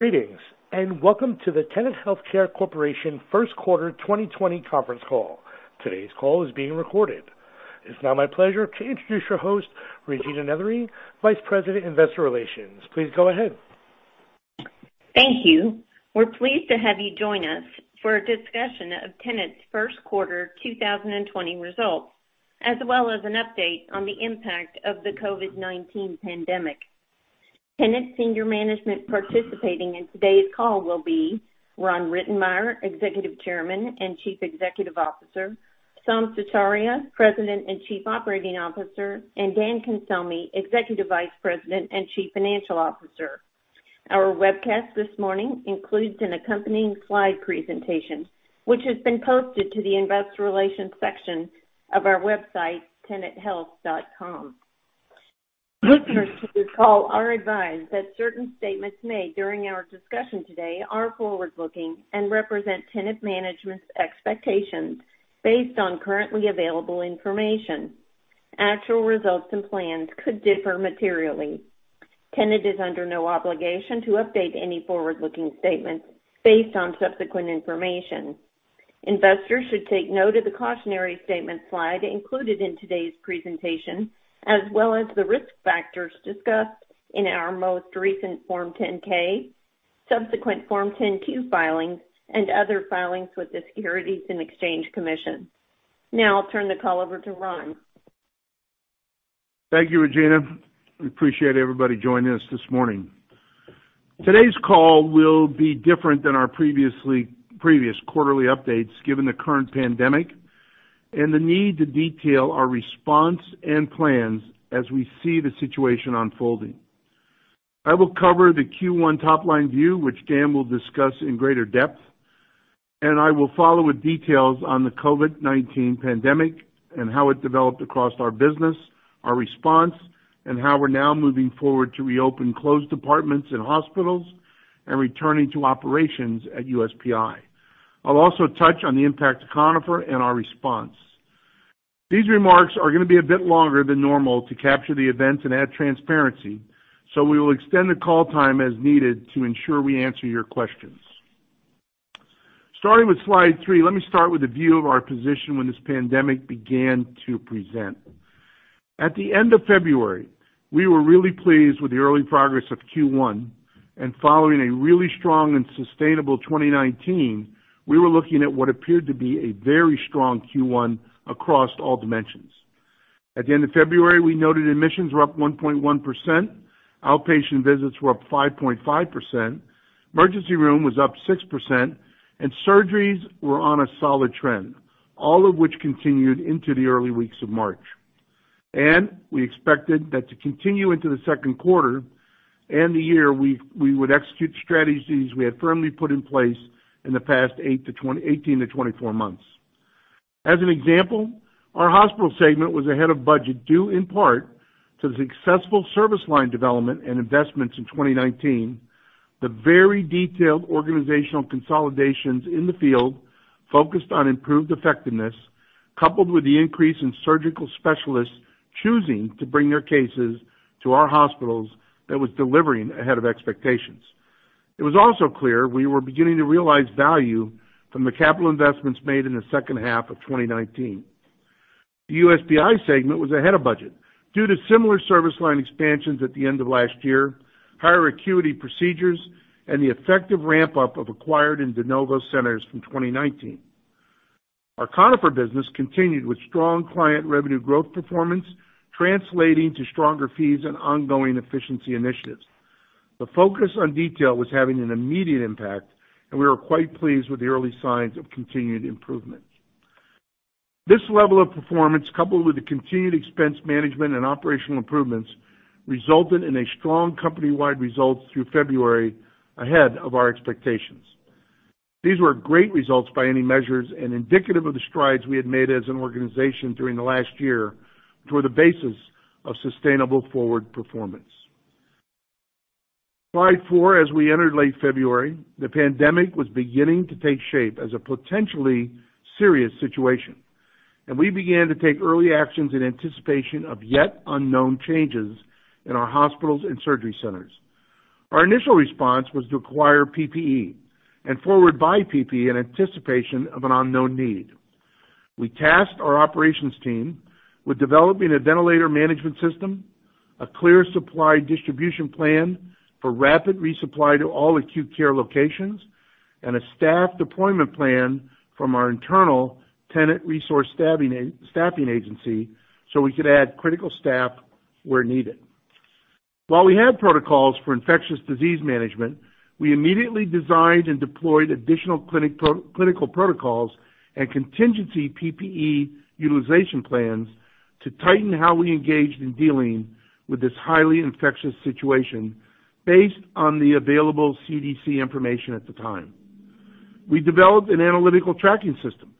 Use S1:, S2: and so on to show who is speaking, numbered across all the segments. S1: Greetings, and welcome to the Tenet Healthcare Corporation First Quarter 2020 conference call. Today's call is being recorded. It's now my pleasure to introduce your host, Regina Nethery, Vice President, Investor Relations. Please go ahead.
S2: Thank you. We're pleased to have you join us for a discussion of Tenet's first quarter 2020 results, as well as an update on the impact of the COVID-19 pandemic. Tenet senior management participating in today's call will be Ron Rittenmeyer, Executive Chairman and Chief Executive Officer, Saum Sutaria, President and Chief Operating Officer, and Dan Cancelmi, Executive Vice President and Chief Financial Officer. Our webcast this morning includes an accompanying slide presentation, which has been posted to the investor relations section of our website, tenethealth.com. Listeners to this call are advised that certain statements made during our discussion today are forward-looking and represent Tenet management's expectations based on currently available information. Actual results and plans could differ materially. Tenet is under no obligation to update any forward-looking statements based on subsequent information. Investors should take note of the cautionary statement slide included in today's presentation, as well as the risk factors discussed in our most recent Form 10-K, subsequent Form 10-Q filings, and other filings with the Securities and Exchange Commission. Now I'll turn the call over to Ron.
S3: Thank you, Regina. We appreciate everybody joining us this morning. Today's call will be different than our previous quarterly updates, given the current pandemic and the need to detail our response and plans as we see the situation unfolding. I will cover the Q1 top-line view, which Dan will discuss in greater depth. I will follow with details on the COVID-19 pandemic and how it developed across our business, our response, and how we're now moving forward to reopen closed departments and hospitals and returning to operations at USPI. I'll also touch on the impact to Conifer and our response. These remarks are going to be a bit longer than normal to capture the events and add transparency. We will extend the call time as needed to ensure we answer your questions. Starting with slide three, let me start with a view of our position when this pandemic began to present. Following a really strong and sustainable 2019, we were looking at what appeared to be a very strong Q1 across all dimensions. At the end of February, we noted admissions were up 1.1%, outpatient visits were up 5.5%, emergency room was up 6%, and surgeries were on a solid trend, all of which continued into the early weeks of March. We expected that to continue into the second quarter and the year, we would execute strategies we had firmly put in place in the past 18 to 24 months. As an example, our hospital segment was ahead of budget, due in part to the successful service line development and investments in 2019. The very detailed organizational consolidations in the field focused on improved effectiveness, coupled with the increase in surgical specialists choosing to bring their cases to our hospitals, that was delivering ahead of expectations. It was also clear we were beginning to realize value from the capital investments made in the second half of 2019. The USPI segment was ahead of budget due to similar service line expansions at the end of last year, higher acuity procedures, and the effective ramp-up of acquired and de novo centers from 2019. Our Conifer business continued with strong client revenue growth performance translating to stronger fees and ongoing efficiency initiatives. The focus on detail was having an immediate impact, and we were quite pleased with the early signs of continued improvement. This level of performance, coupled with the continued expense management and operational improvements, resulted in a strong company-wide result through February ahead of our expectations. These were great results by any measures and indicative of the strides we had made as an organization during the last year toward the basis of sustainable forward performance. Slide four. As we entered late February, the pandemic was beginning to take shape as a potentially serious situation, and we began to take early actions in anticipation of yet unknown changes in our hospitals and surgery centers. Our initial response was to acquire PPE and forward buy PPE in anticipation of an unknown need. We tasked our operations team with developing a ventilator management system, a clear supply distribution plan for rapid resupply to all acute care locations, and a staff deployment plan from our internal Tenet resource staffing agency so we could add critical staff where needed. While we had protocols for infectious disease management, we immediately designed and deployed additional clinical protocols and contingency PPE utilization plans to tighten how we engaged in dealing with this highly infectious situation based on the available CDC information at the time. We developed an analytical tracking system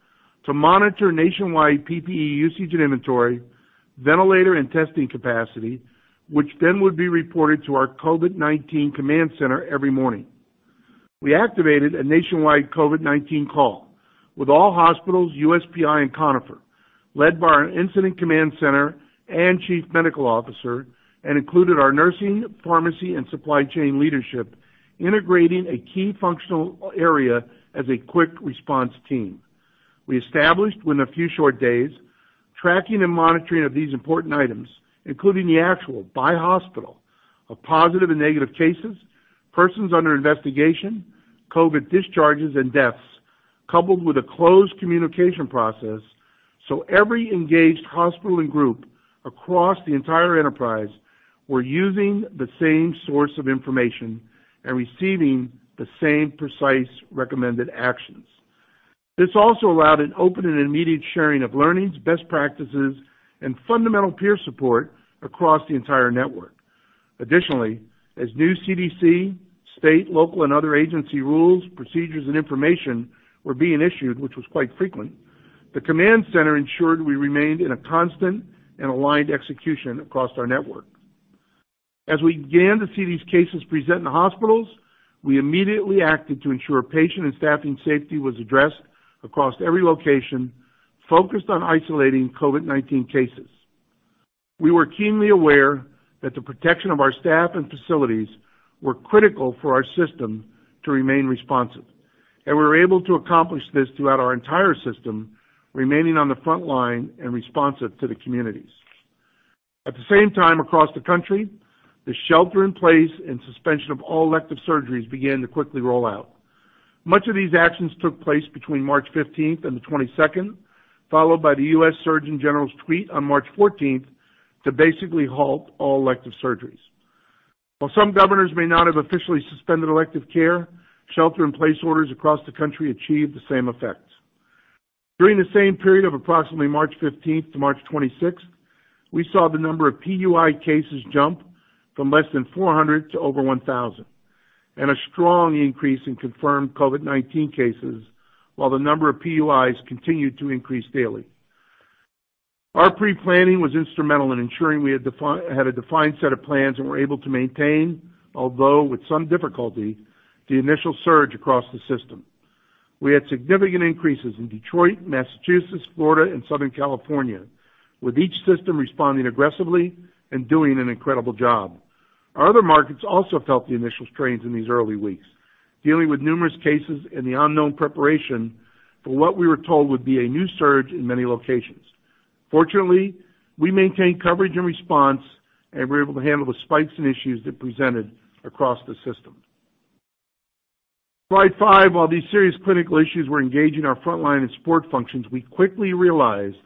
S3: to monitor nationwide PPE usage and inventory, ventilator, and testing capacity, which then would be reported to our COVID-19 command center every morning. We activated a nationwide COVID-19 call with all hospitals, USPI, and Conifer, led by our incident command center and chief medical officer, and included our nursing, pharmacy, and supply chain leadership, integrating a key functional area as a quick response team. We established within a few short days, tracking and monitoring of these important items, including the actual by hospital of positive and negative cases, persons under investigation, COVID discharges, and deaths, coupled with a closed communication process so every engaged hospital and group across the entire enterprise were using the same source of information and receiving the same precise recommended actions. This also allowed an open and immediate sharing of learnings, best practices, and fundamental peer support across the entire network. Additionally, as new CDC, state, local, and other agency rules, procedures, and information were being issued, which was quite frequent, the command center ensured we remained in a constant and aligned execution across our network. As we began to see these cases present in the hospitals, we immediately acted to ensure patient and staffing safety was addressed across every location, focused on isolating COVID-19 cases. We were keenly aware that the protection of our staff and facilities were critical for our system to remain responsive, and we were able to accomplish this throughout our entire system, remaining on the front line and responsive to the communities. At the same time, across the country, the shelter in place and suspension of all elective surgeries began to quickly roll out. Much of these actions took place between March 15th and the 22nd, followed by the US Surgeon General's tweet on March 14th to basically halt all elective surgeries. While some governors may not have officially suspended elective care, shelter in place orders across the country achieved the same effects. During the same period of approximately March 15th to March 26th, we saw the number of PUI cases jump from less than 400 to over 1,000, and a strong increase in confirmed COVID-19 cases, while the number of PUIs continued to increase daily. Our pre-planning was instrumental in ensuring we had a defined set of plans and were able to maintain, although with some difficulty, the initial surge across the system. We had significant increases in Detroit, Massachusetts, Florida, and Southern California, with each system responding aggressively and doing an incredible job. Our other markets also felt the initial strains in these early weeks, dealing with numerous cases and the unknown preparation for what we were told would be a new surge in many locations. Fortunately, we maintained coverage and response and were able to handle the spikes and issues that presented across the system. Slide five. While these serious clinical issues were engaging our frontline and support functions, we quickly realized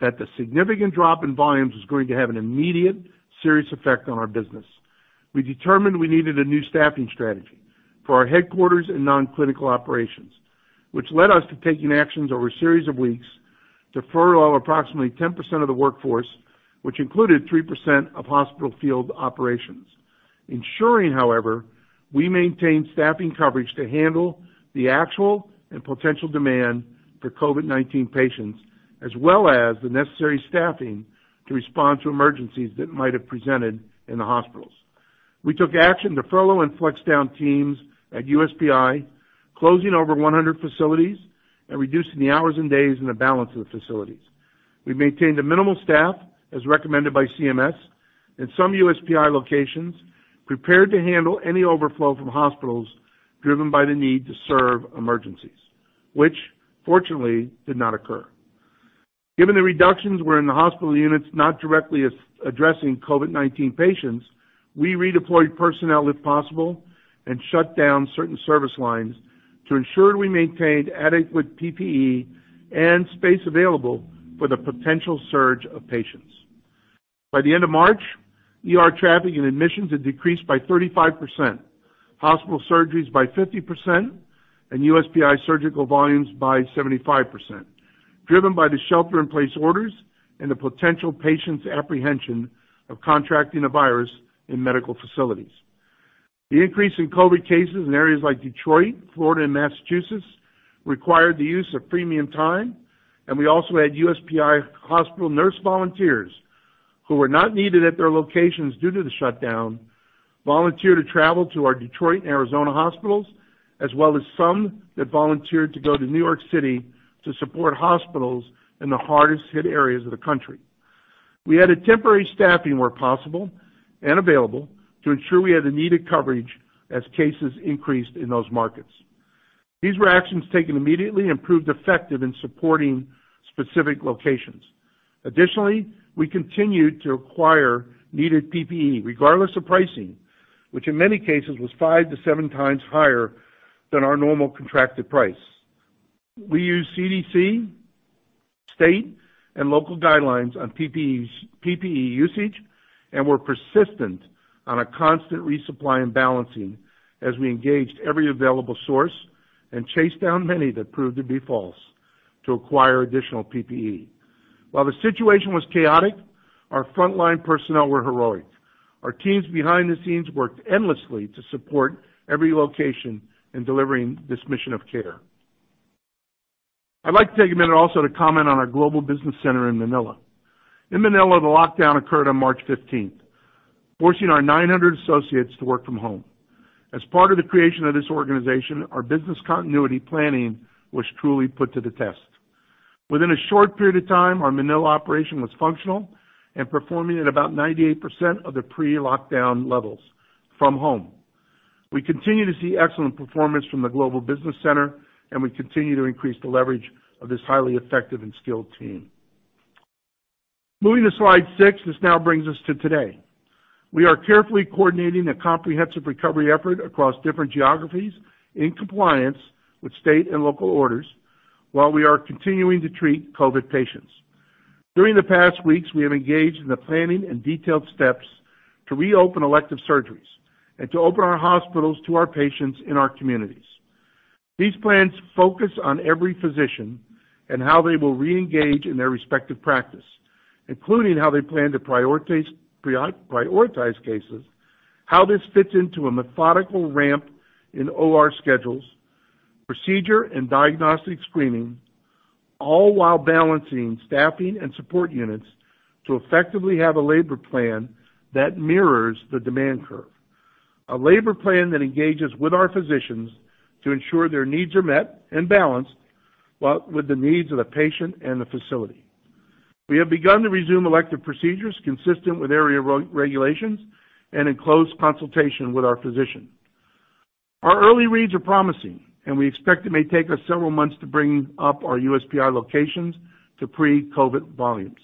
S3: that the significant drop in volumes was going to have an immediate serious effect on our business. We determined we needed a new staffing strategy for our headquarters and non-clinical operations, which led us to taking actions over a series of weeks to furlough approximately 10% of the workforce, which included 3% of hospital field operations. Ensuring, however, we maintain staffing coverage to handle the actual and potential demand for COVID-19 patients, as well as the necessary staffing to respond to emergencies that might have presented in the hospitals. We took action to furlough and flex down teams at USPI, closing over 100 facilities and reducing the hours and days in the balance of the facilities. We maintained a minimal staff, as recommended by CMS, and some USPI locations prepared to handle any overflow from hospitals driven by the need to serve emergencies, which fortunately did not occur. Given the reductions were in the hospital units not directly addressing COVID-19 patients, we redeployed personnel if possible and shut down certain service lines to ensure we maintained adequate PPE and space available for the potential surge of patients. By the end of March, ER traffic and admissions had decreased by 35%, hospital surgeries by 50%, and USPI surgical volumes by 75%, driven by the shelter in place orders and the potential patients' apprehension of contracting the virus in medical facilities. We also had USPI hospital nurse volunteers who were not needed at their locations due to the shutdown, volunteer to travel to our Detroit and Arizona hospitals, as well as some that volunteered to go to New York City to support hospitals in the hardest hit areas of the country. We added temporary staffing where possible and available to ensure we had the needed coverage as COVID cases increased in those markets. These were actions taken immediately and proved effective in supporting specific locations. We continued to acquire needed PPE, regardless of pricing, which in many cases was five to seven times higher than our normal contracted price. We used CDC, state, and local guidelines on PPE usage, and were persistent on a constant resupply and balancing as we engaged every available source and chased down many that proved to be false to acquire additional PPE. While the situation was chaotic, our frontline personnel were heroic. Our teams behind the scenes worked endlessly to support every location in delivering this mission of care. I'd like to take a minute also to comment on our global business center in Manila. In Manila, the lockdown occurred on March 15th, forcing our 900 associates to work from home. As part of the creation of this organization, our business continuity planning was truly put to the test. Within a short period of time, our Manila operation was functional and performing at about 98% of their pre-lockdown levels from home. We continue to see excellent performance from the global business center, and we continue to increase the leverage of this highly effective and skilled team. Moving to slide six, this now brings us to today. We are carefully coordinating a comprehensive recovery effort across different geographies in compliance with state and local orders, while we are continuing to treat COVID patients. During the past weeks, we have engaged in the planning and detailed steps to reopen elective surgeries and to open our hospitals to our patients in our communities. These plans focus on every physician and how they will reengage in their respective practice, including how they plan to prioritize cases, how this fits into a methodical ramp in OR schedules, procedure and diagnostic screening, all while balancing staffing and support units to effectively have a labor plan that mirrors the demand curve. A labor plan that engages with our physicians to ensure their needs are met and balanced with the needs of the patient and the facility. We have begun to resume elective procedures consistent with area regulations and in close consultation with our physicians. Our early reads are promising, and we expect it may take us several months to bring up our USPI locations to pre-COVID volumes.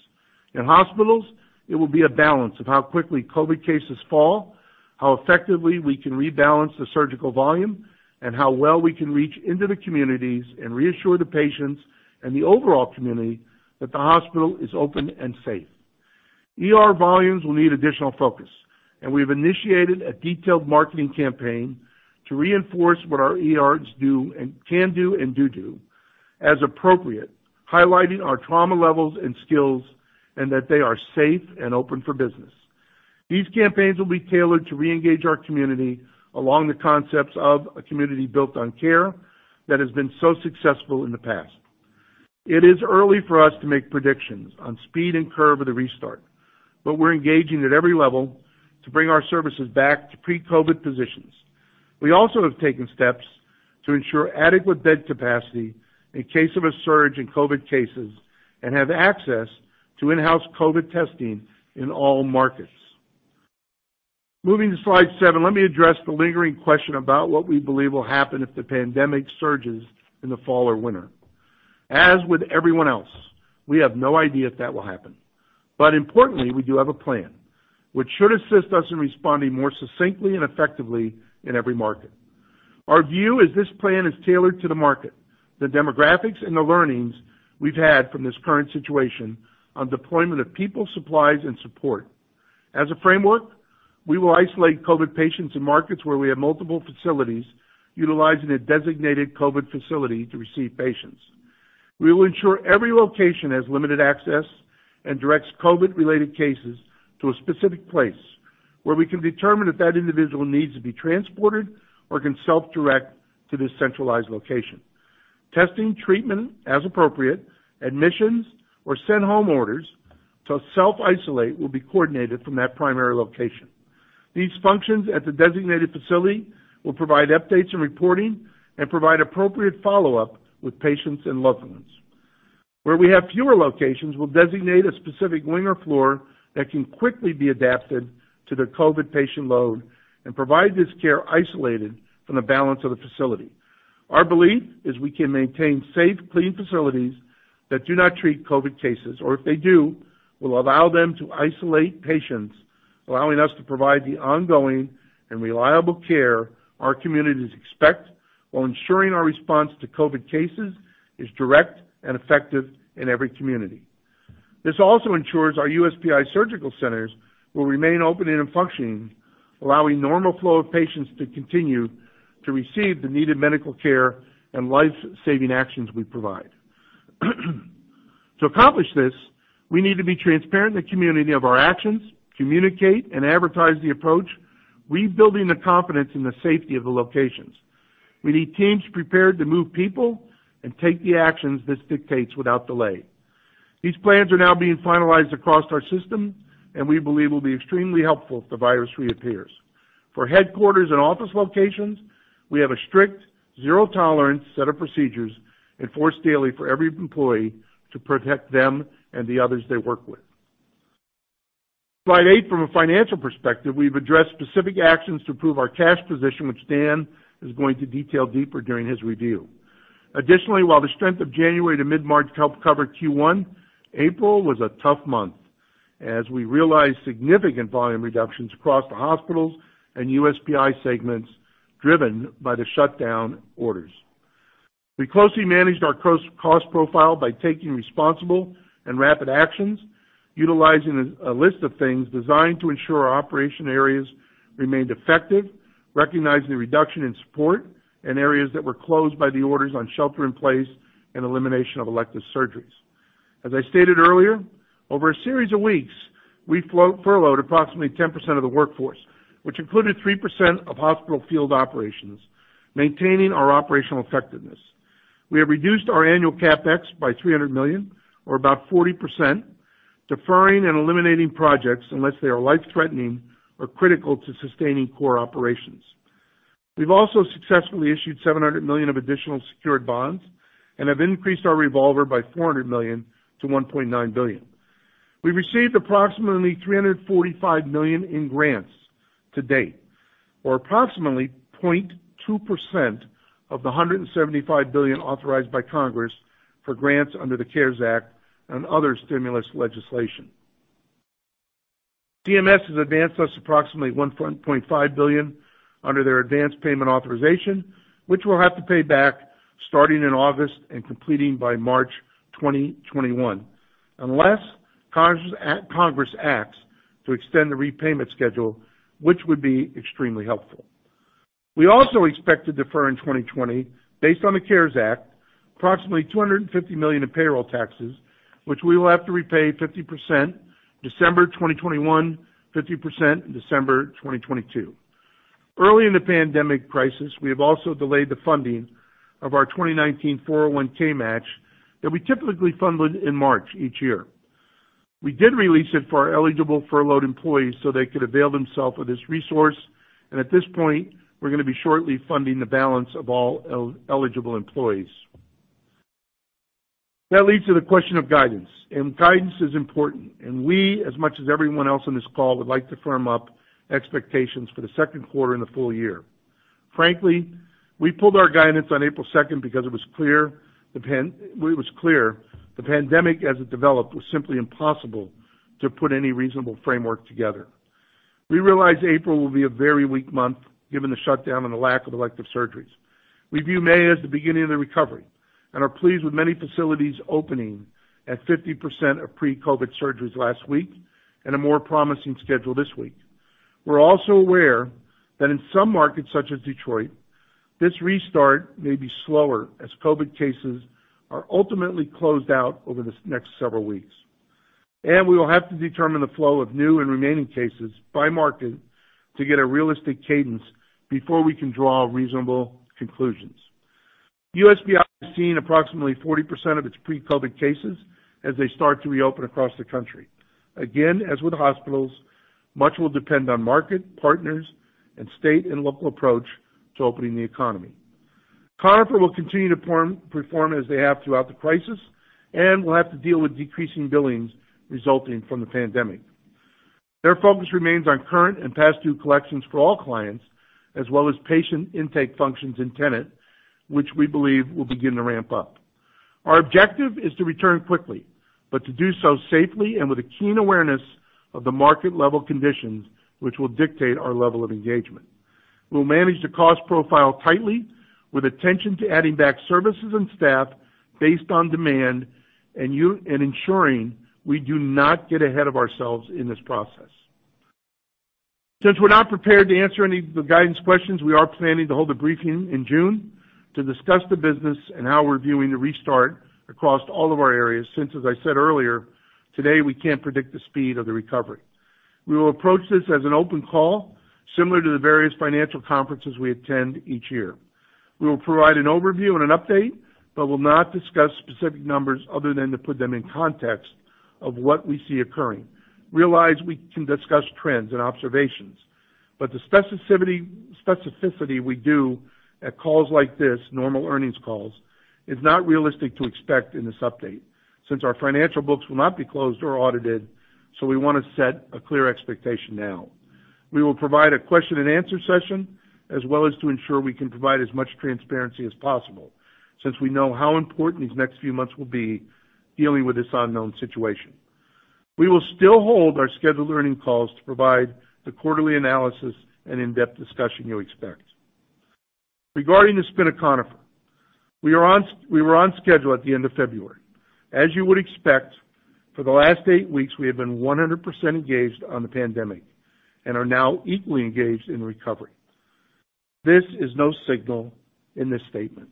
S3: In hospitals, it will be a balance of how quickly COVID cases fall, how effectively we can rebalance the surgical volume, and how well we can reach into the communities and reassure the patients and the overall community that the hospital is open and safe. ER volumes will need additional focus. We've initiated a detailed marketing campaign to reinforce what our ERs can do as appropriate, highlighting our trauma levels and skills, that they are safe and open for business. These campaigns will be tailored to reengage our community along the concepts of a community built on care that has been so successful in the past. It is early for us to make predictions on speed and curve of the restart. We're engaging at every level to bring our services back to pre-COVID positions. We also have taken steps to ensure adequate bed capacity in case of a surge in COVID cases and have access to in-house COVID testing in all markets. Moving to slide seven, let me address the lingering question about what we believe will happen if the pandemic surges in the fall or winter. As with everyone else, we have no idea if that will happen. Importantly, we do have a plan, which should assist us in responding more succinctly and effectively in every market. Our view is this plan is tailored to the market, the demographics, and the learnings we've had from this current situation on deployment of people, supplies, and support. As a framework, we will isolate COVID patients in markets where we have multiple facilities, utilizing a designated COVID facility to receive patients. We will ensure every location has limited access and directs COVID-related cases to a specific place where we can determine if that individual needs to be transported or can self-direct to this centralized location. Testing, treatment as appropriate, admissions, or send home orders to self-isolate will be coordinated from that primary location. These functions at the designated facility will provide updates and reporting and provide appropriate follow-up with patients and loved ones. Where we have fewer locations, we'll designate a specific wing or floor that can quickly be adapted to the COVID patient load and provide this care isolated from the balance of the facility. Our belief is we can maintain safe, clean facilities that do not treat COVID cases, or if they do, will allow them to isolate patients, allowing us to provide the ongoing and reliable care our communities expect while ensuring our response to COVID cases is direct and effective in every community. This also ensures our USPI surgical centers will remain open and functioning, allowing normal flow of patients to continue to receive the needed medical care and life-saving actions we provide. To accomplish this, we need to be transparent in the community of our actions, communicate, and advertise the approach, rebuilding the confidence in the safety of the locations. We need teams prepared to move people and take the actions this dictates without delay. These plans are now being finalized across our system, and we believe will be extremely helpful if the virus reappears. For headquarters and office locations, we have a strict zero-tolerance set of procedures enforced daily for every employee to protect them and the others they work with. Slide eight. From a financial perspective, we've addressed specific actions to improve our cash position, which Dan is going to detail deeper during his review. Additionally, while the strength of January to mid-March helped cover Q1, April was a tough month as we realized significant volume reductions across the hospitals and USPI segments driven by the shutdown orders. We closely managed our cost profile by taking responsible and rapid actions, utilizing a list of things designed to ensure our operation areas remained effective, recognizing the reduction in support in areas that were closed by the orders on shelter in place and elimination of elective surgeries. As I stated earlier, over a series of weeks, we furloughed approximately 10% of the workforce, which included 3% of hospital field operations, maintaining our operational effectiveness. We have reduced our annual CapEx by $300 million, or about 40%, deferring and eliminating projects unless they are life-threatening or critical to sustaining core operations. We've also successfully issued $700 million of additional secured bonds and have increased our revolver by $400 million to $1.9 billion. We received approximately $345 million in grants to date, or approximately 0.2% of the $175 billion authorized by Congress for grants under the CARES Act and other stimulus legislation. CMS has advanced us approximately $1.5 billion under their advanced payment authorization, which we'll have to pay back starting in August and completing by March 2021, unless Congress acts to extend the repayment schedule, which would be extremely helpful. We also expect to defer in 2020, based on the CARES Act, approximately $250 million in payroll taxes, which we will have to repay 50% December 2021, 50% in December 2022. Early in the pandemic crisis, we have also delayed the funding of our 2019 401(k) match that we typically funded in March each year. We did release it for our eligible furloughed employees so they could avail themselves of this resource. At this point, we're going to be shortly funding the balance of all eligible employees. That leads to the question of guidance, and guidance is important, and we, as much as everyone else on this call, would like to firm up expectations for the second quarter and the full year. Frankly, we pulled our guidance on April 2nd because it was clear the pandemic, as it developed, was simply impossible to put any reasonable framework together. We realized April will be a very weak month, given the shutdown and the lack of elective surgeries. We view May as the beginning of the recovery and are pleased with many facilities opening at 50% of pre-COVID surgeries last week and a more promising schedule this week. We are also aware that in some markets, such as Detroit, this restart may be slower as COVID cases are ultimately closed out over this next several weeks. We will have to determine the flow of new and remaining cases by market to get a realistic cadence before we can draw reasonable conclusions. USPI has seen approximately 40% of its pre-COVID cases as they start to reopen across the country. Again, as with hospitals, much will depend on market, partners, and state and local approach to opening the economy. Conifer will continue to perform as they have throughout the crisis and will have to deal with decreasing billings resulting from the pandemic. Their focus remains on current and past due collections for all clients, as well as patient intake functions in Tenet, which we believe will begin to ramp up. Our objective is to return quickly, but to do so safely and with a keen awareness of the market level conditions which will dictate our level of engagement. We'll manage the cost profile tightly with attention to adding back services and staff based on demand and ensuring we do not get ahead of ourselves in this process. Since we're not prepared to answer any of the guidance questions, we are planning to hold a briefing in June to discuss the business and how we're viewing the restart across all of our areas since, as I said earlier today, we can't predict the speed of the recovery. We will approach this as an open call, similar to the various financial conferences we attend each year. We will provide an overview and an update, but will not discuss specific numbers other than to put them in context of what we see occurring. Realize we can discuss trends and observations, but the specificity we do at calls like this, normal earnings calls, is not realistic to expect in this update, since our financial books will not be closed or audited, so we want to set a clear expectation now. We will provide a question and answer session as well as to ensure we can provide as much transparency as possible, since we know how important these next few months will be dealing with this unknown situation. We will still hold our scheduled learning calls to provide the quarterly analysis and in-depth discussion you expect. Regarding the spin of Conifer, we were on schedule at the end of February. As you would expect, for the last eight weeks, we have been 100% engaged on the pandemic and are now equally engaged in recovery. This is no signal in this statement,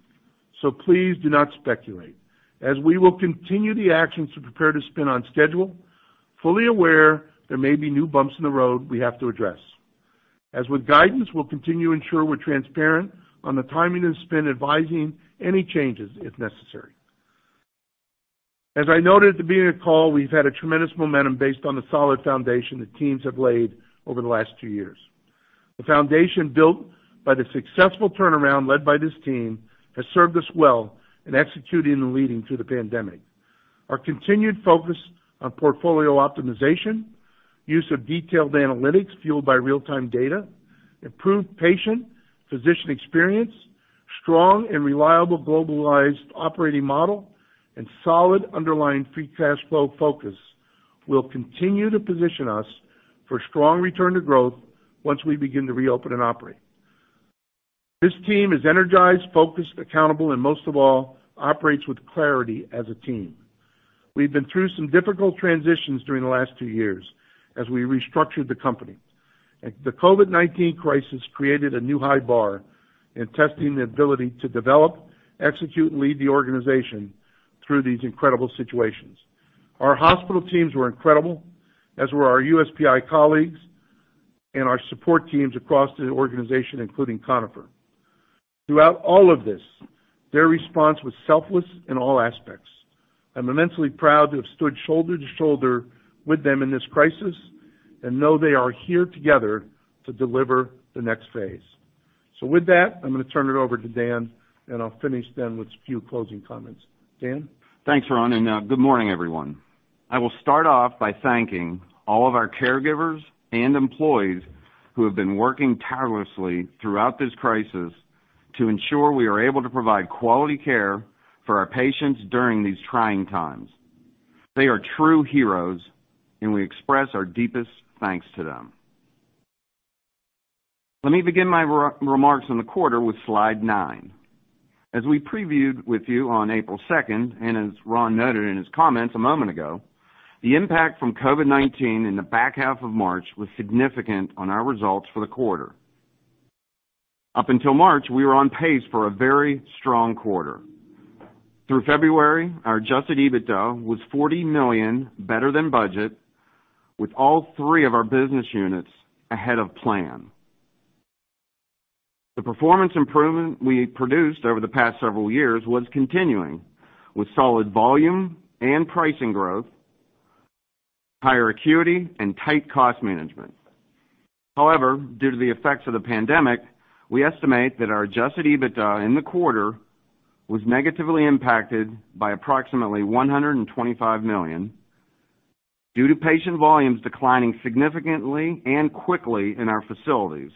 S3: so please do not speculate, as we will continue the actions to prepare to spin on schedule, fully aware there may be new bumps in the road we have to address. As with guidance, we will continue to ensure we are transparent on the timing of spin, advising any changes if necessary. As I noted at the beginning of the call, we've had a tremendous momentum based on the solid foundation that teams have laid over the last two years. The foundation built by the successful turnaround led by this team has served us well in executing and leading through the pandemic. Our continued focus on portfolio optimization, use of detailed analytics fueled by real-time data, improved patient physician experience, strong and reliable globalized operating model, and solid underlying free cash flow focus will continue to position us for strong return to growth once we begin to reopen and operate. This team is energized, focused, accountable, and most of all, operates with clarity as a team. We've been through some difficult transitions during the last two years as we restructured the company. The COVID-19 crisis created a new high bar in testing the ability to develop, execute, and lead the organization through these incredible situations. Our hospital teams were incredible, as were our USPI colleagues. Our support teams across the organization, including Conifer. Throughout all of this, their response was selfless in all aspects. I'm immensely proud to have stood shoulder to shoulder with them in this crisis and know they are here together to deliver the next phase. With that, I'm going to turn it over to Dan, and I'll finish then with a few closing comments. Dan?
S4: Thanks, Ron. Good morning, everyone. I will start off by thanking all of our caregivers and employees who have been working tirelessly throughout this crisis to ensure we are able to provide quality care for our patients during these trying times. They are true heroes. We express our deepest thanks to them. Let me begin my remarks on the quarter with slide nine. As we previewed with you on April 2nd. As Ron noted in his comments a moment ago, the impact from COVID-19 in the back half of March was significant on our results for the quarter. Up until March, we were on pace for a very strong quarter. Through February, our adjusted EBITDA was $40 million, better than budget, with all three of our business units ahead of plan. The performance improvement we produced over the past several years was continuing, with solid volume and pricing growth, higher acuity, and tight cost management. However, due to the effects of the pandemic, we estimate that our adjusted EBITDA in the quarter was negatively impacted by approximately $125 million due to patient volumes declining significantly and quickly in our facilities,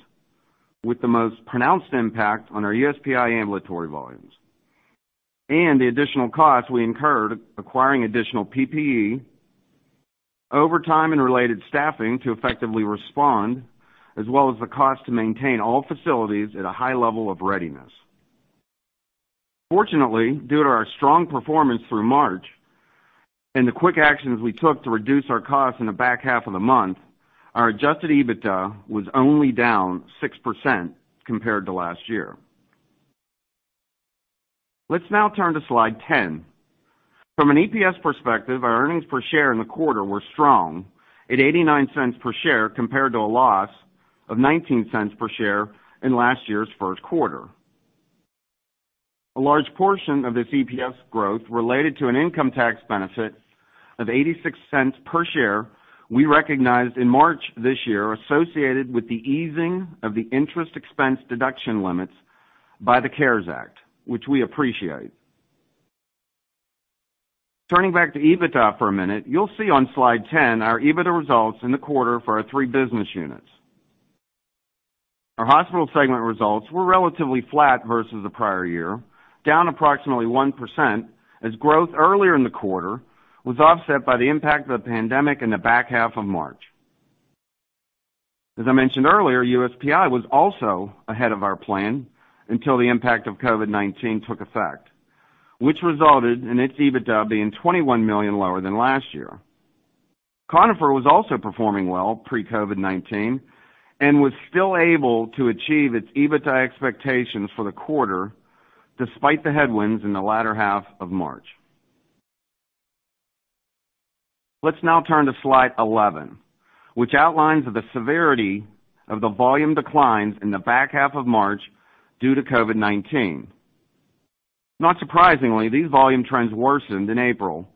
S4: with the most pronounced impact on our USPI ambulatory volumes. The additional costs we incurred acquiring additional PPE over time and related staffing to effectively respond, as well as the cost to maintain all facilities at a high level of readiness. Fortunately, due to our strong performance through March and the quick actions we took to reduce our costs in the back half of the month, our adjusted EBITDA was only down 6% compared to last year. Let's now turn to slide 10. From an EPS perspective, our earnings per share in the quarter were strong at $0.89 per share compared to a loss of $0.19 per share in last year's first quarter. A large portion of this EPS growth related to an income tax benefit of $0.86 per share we recognized in March this year associated with the easing of the interest expense deduction limits by the CARES Act, which we appreciate. Turning back to EBITDA for a minute, you'll see on slide 10 our EBITDA results in the quarter for our three business units. Our hospital segment results were relatively flat versus the prior year, down approximately 1%, as growth earlier in the quarter was offset by the impact of the pandemic in the back half of March. As I mentioned earlier, USPI was also ahead of our plan until the impact of COVID-19 took effect, which resulted in its EBITDA being $21 million lower than last year. Conifer was also performing well pre-COVID-19 and was still able to achieve its EBITDA expectations for the quarter despite the headwinds in the latter half of March. Let's now turn to slide 11, which outlines the severity of the volume declines in the back half of March due to COVID-19. Not surprisingly, these volume trends worsened in April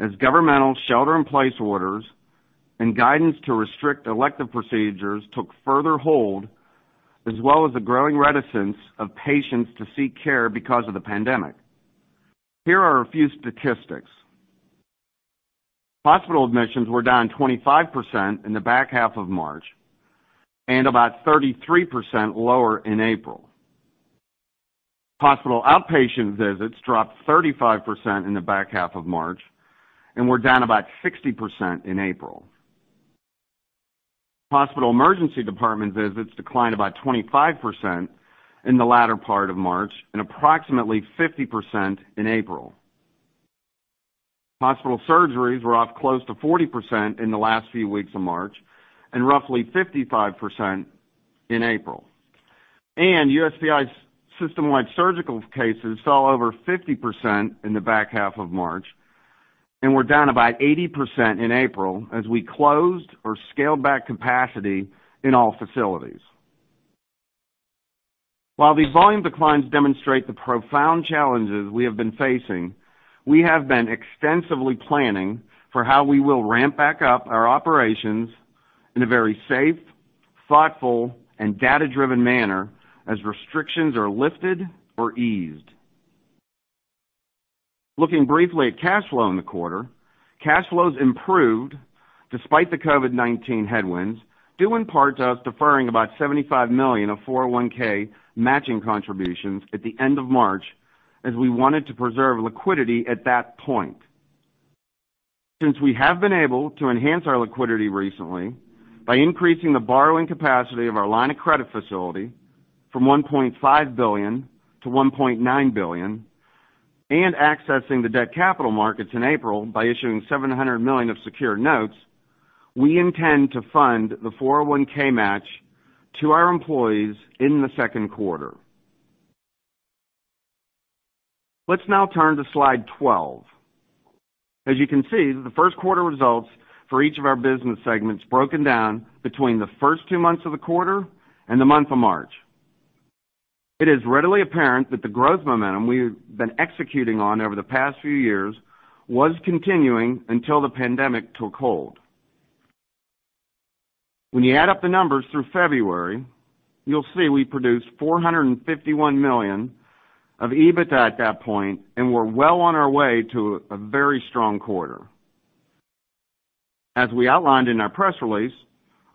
S4: as governmental shelter-in-place orders and guidance to restrict elective procedures took further hold, as well as the growing reticence of patients to seek care because of the pandemic. Here are a few statistics. Hospital admissions were down 25% in the back half of March and about 33% lower in April. Hospital outpatient visits dropped 35% in the back half of March and were down about 60% in April. Hospital emergency department visits declined about 25% in the latter part of March and approximately 50% in April. Hospital surgeries were off close to 40% in the last few weeks of March and roughly 55% in April. USPI's system-wide surgical cases fell over 50% in the back half of March and were down about 80% in April as we closed or scaled back capacity in all facilities. While these volume declines demonstrate the profound challenges we have been facing, we have been extensively planning for how we will ramp back up our operations in a very safe, thoughtful, and data-driven manner as restrictions are lifted or eased. Looking briefly at cash flow in the quarter, cash flows improved despite the COVID-19 headwinds, due in part to us deferring about $75 million of 401(k) matching contributions at the end of March, as we wanted to preserve liquidity at that point. Since we have been able to enhance our liquidity recently by increasing the borrowing capacity of our line of credit facility from $1.5 billion to $1.9 billion and accessing the debt capital markets in April by issuing $700 million of secured notes, we intend to fund the 401(k) match to our employees in the second quarter. Let's now turn to slide 12. As you can see, the first quarter results for each of our business segments broken down between the first two months of the quarter and the month of March. It is readily apparent that the growth momentum we have been executing on over the past few years was continuing until the pandemic took hold. When you add up the numbers through February, you'll see we produced $451 million of EBITDA at that point, and were well on our way to a very strong quarter. As we outlined in our press release,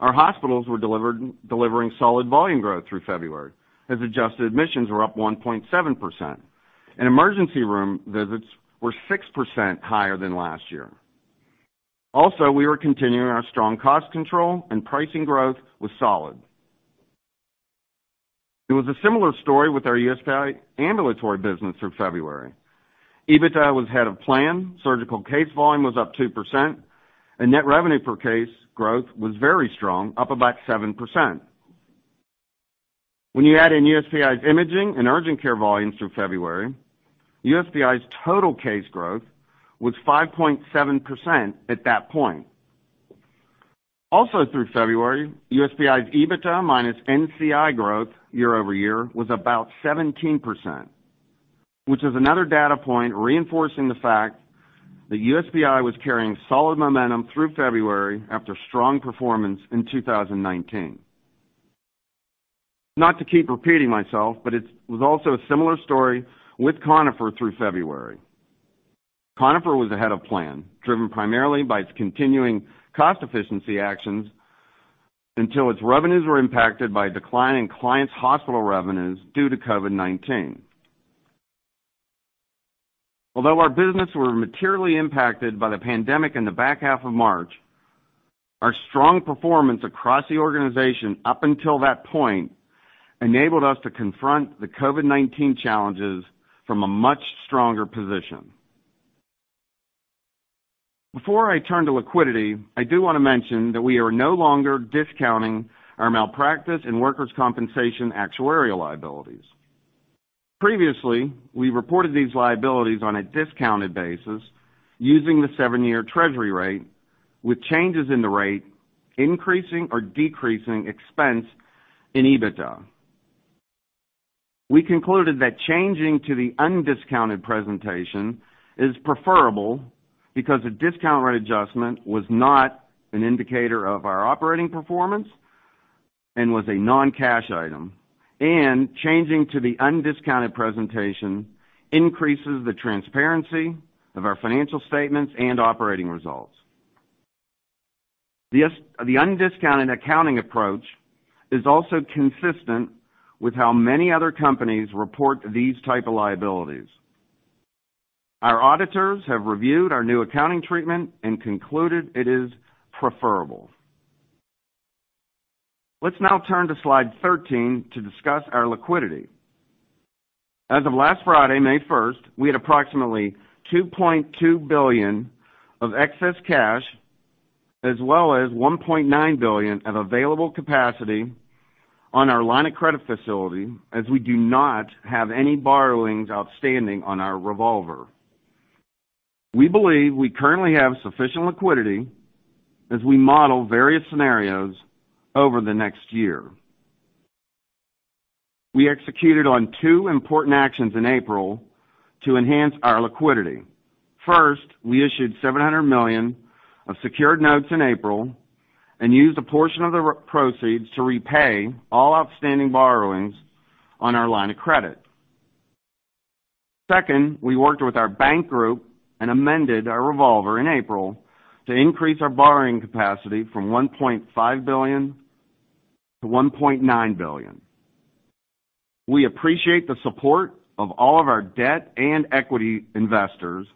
S4: our hospitals were delivering solid volume growth through February, as adjusted admissions were up 1.7%, and emergency room visits were 6% higher than last year. We were continuing our strong cost control and pricing growth was solid. It was a similar story with our USPI ambulatory business through February. EBITDA was ahead of plan. Surgical case volume was up 2%, and net revenue per case growth was very strong, up about 7%. When you add in USPI's imaging and urgent care volumes through February, USPI's total case growth was 5.7% at that point. Through February, USPI's EBITDA minus NCI growth year-over-year was about 17%, which is another data point reinforcing the fact that USPI was carrying solid momentum through February after strong performance in 2019. Not to keep repeating myself, it was also a similar story with Conifer through February. Conifer was ahead of plan, driven primarily by its continuing cost efficiency actions until its revenues were impacted by a decline in clients' hospital revenues due to COVID-19. Although our business were materially impacted by the pandemic in the back half of March, our strong performance across the organization up until that point enabled us to confront the COVID-19 challenges from a much stronger position. Before I turn to liquidity, I do want to mention that we are no longer discounting our malpractice and workers' compensation actuarial liabilities. Previously, we reported these liabilities on a discounted basis using the seven-year Treasury rate, with changes in the rate increasing or decreasing expense in EBITDA. We concluded that changing to the undiscounted presentation is preferable because a discount rate adjustment was not an indicator of our operating performance and was a non-cash item, and changing to the undiscounted presentation increases the transparency of our financial statements and operating results. The undiscounted accounting approach is also consistent with how many other companies report these type of liabilities. Our auditors have reviewed our new accounting treatment and concluded it is preferable. Let's now turn to slide 13 to discuss our liquidity. As of last Friday, May 1st, we had approximately $2.2 billion of excess cash, as well as $1.9 billion of available capacity on our line of credit facility, as we do not have any borrowings outstanding on our revolver. We believe we currently have sufficient liquidity as we model various scenarios over the next year. We executed on two important actions in April to enhance our liquidity. First, we issued $700 million of secured notes in April and used a portion of the proceeds to repay all outstanding borrowings on our line of credit. Second, we worked with our bank group and amended our revolver in April to increase our borrowing capacity from $1.5 billion to $1.9 billion. We appreciate the support of all of our debt and equity investors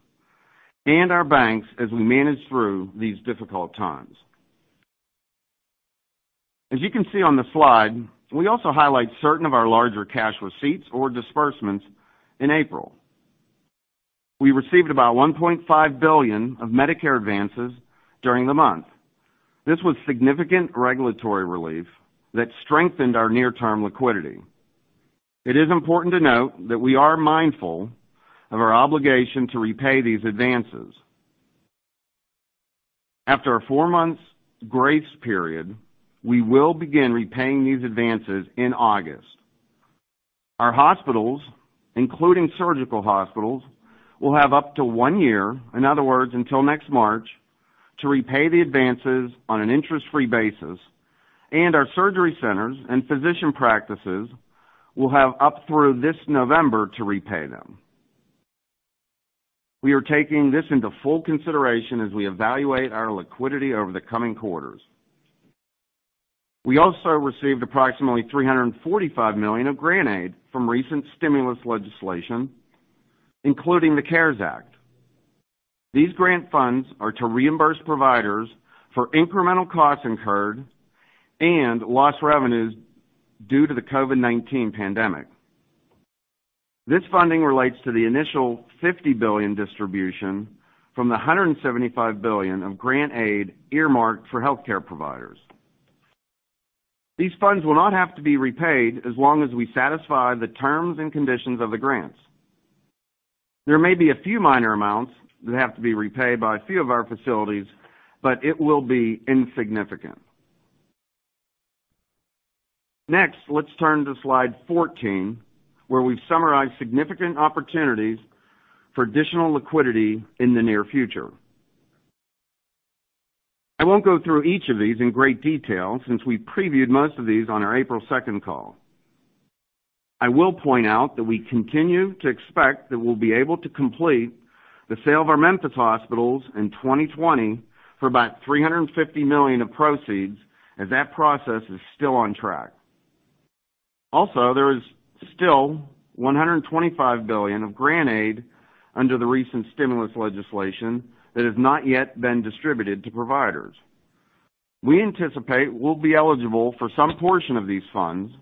S4: and our banks as we manage through these difficult times. As you can see on the slide, we also highlight certain of our larger cash receipts or disbursements in April. We received about $1.5 billion of Medicare advances during the month. This was significant regulatory relief that strengthened our near-term liquidity. It is important to note that we are mindful of our obligation to repay these advances. After a four-month grace period, we will begin repaying these advances in August. Our hospitals, including surgical hospitals, will have up to one year, in other words, until next March, to repay the advances on an an interest-free basis, and our surgery centers and physician practices will have up through this November to repay them. We are taking this into full consideration as we evaluate our liquidity over the coming quarters. We also received approximately $345 million of grant aid from recent stimulus legislation, including the CARES Act. These grant funds are to reimburse providers for incremental costs incurred and lost revenues due to the COVID-19 pandemic. This funding relates to the initial $50 billion distribution from the $175 billion of grant aid earmarked for healthcare providers. These funds will not have to be repaid as long as we satisfy the terms and conditions of the grants. There may be a few minor amounts that have to be repaid by a few of our facilities, but it will be insignificant. Let's turn to slide 14, where we've summarized significant opportunities for additional liquidity in the near future. I won't go through each of these in great detail since we previewed most of these on our April 2nd call. I will point out that we continue to expect that we will be able to complete the sale of our Memphis hospitals in 2020 for about $350 million of proceeds, as that process is still on track. There is still $125 billion of grant aid under the recent stimulus legislation that has not yet been distributed to providers. We anticipate we will be eligible for some portion of these funds.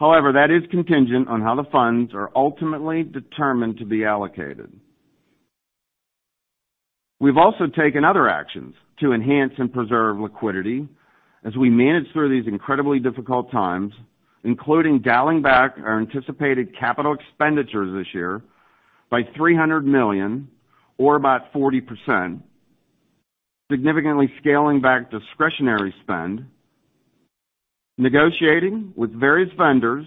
S4: That is contingent on how the funds are ultimately determined to be allocated. We have also taken other actions to enhance and preserve liquidity as we manage through these incredibly difficult times, including dialing back our anticipated capital expenditures this year by $300 million, or about 40%, significantly scaling back discretionary spend, negotiating with various vendors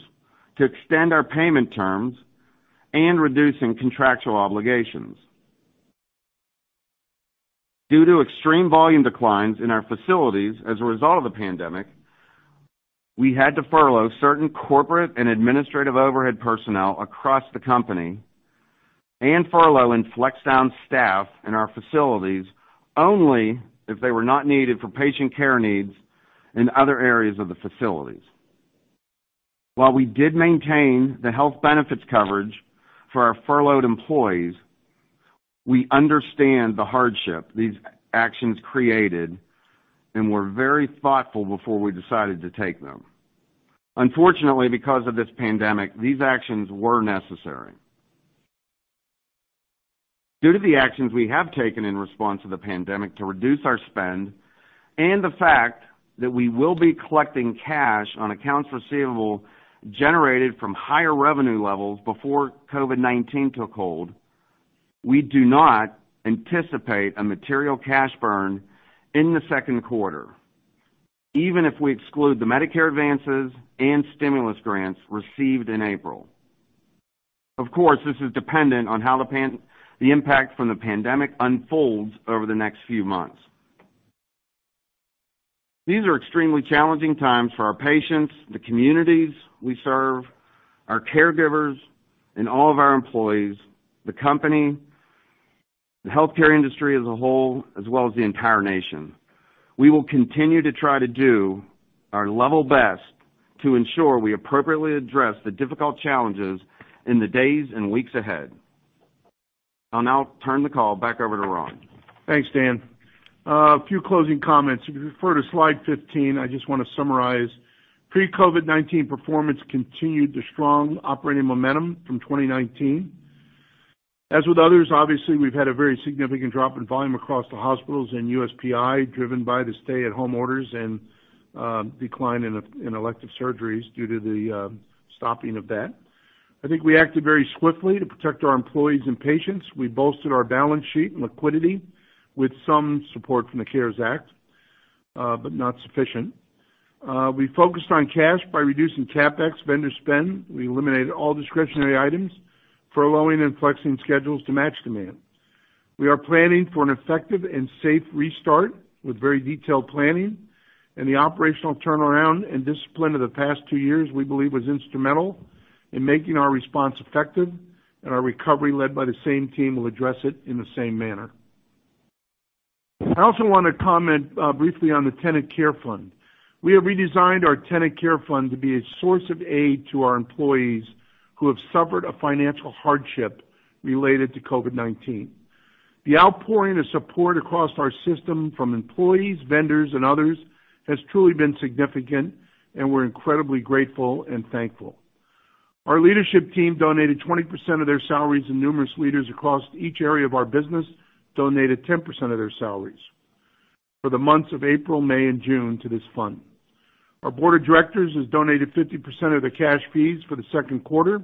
S4: to extend our payment terms, and reducing contractual obligations. Due to extreme volume declines in our facilities as a result of the pandemic, we had to furlough certain corporate and administrative overhead personnel across the company and furlough and flex down staff in our facilities only if they were not needed for patient care needs in other areas of the facilities. While we did maintain the health benefits coverage for our furloughed employees, we understand the hardship these actions created and were very thoughtful before we decided to take them. Unfortunately, because of this pandemic, these actions were necessary. Due to the actions we have taken in response to the pandemic to reduce our spend, and the fact that we will be collecting cash on accounts receivable generated from higher revenue levels before COVID-19 took hold, we do not anticipate a material cash burn in the second quarter, even if we exclude the Medicare advances and stimulus grants received in April. Of course, this is dependent on how the impact from the pandemic unfolds over the next few months. These are extremely challenging times for our patients, the communities we serve, our caregivers, and all of our employees, the company, the healthcare industry as a whole, as well as the entire nation. We will continue to try to do our level best to ensure we appropriately address the difficult challenges in the days and weeks ahead. I'll now turn the call back over to Ron.
S3: Thanks, Dan. A few closing comments. If you refer to slide 15, I just want to summarize. Pre-COVID-19 performance continued the strong operating momentum from 2019. As with others, obviously, we've had a very significant drop in volume across the hospitals and USPI, driven by the stay-at-home orders and decline in elective surgeries due to the stopping of that. I think we acted very swiftly to protect our employees and patients. We bolstered our balance sheet and liquidity with some support from the CARES Act, but not sufficient. We focused on cash by reducing CapEx vendor spend. We eliminated all discretionary items, furloughing and flexing schedules to match demand. We are planning for an effective and safe restart with very detailed planning, and the operational turnaround and discipline of the past two years, we believe, was instrumental in making our response effective. Our recovery, led by the same team, will address it in the same manner. I also want to comment briefly on the Tenet Care Fund. We have redesigned our Tenet Care Fund to be a source of aid to our employees who have suffered a financial hardship related to COVID-19. The outpouring of support across our system from employees, vendors, and others has truly been significant, and we're incredibly grateful and thankful. Our leadership team donated 20% of their salaries, and numerous leaders across each area of our business donated 10% of their salaries for the months of April, May, and June to this fund. Our board of directors has donated 50% of their cash fees for the second quarter,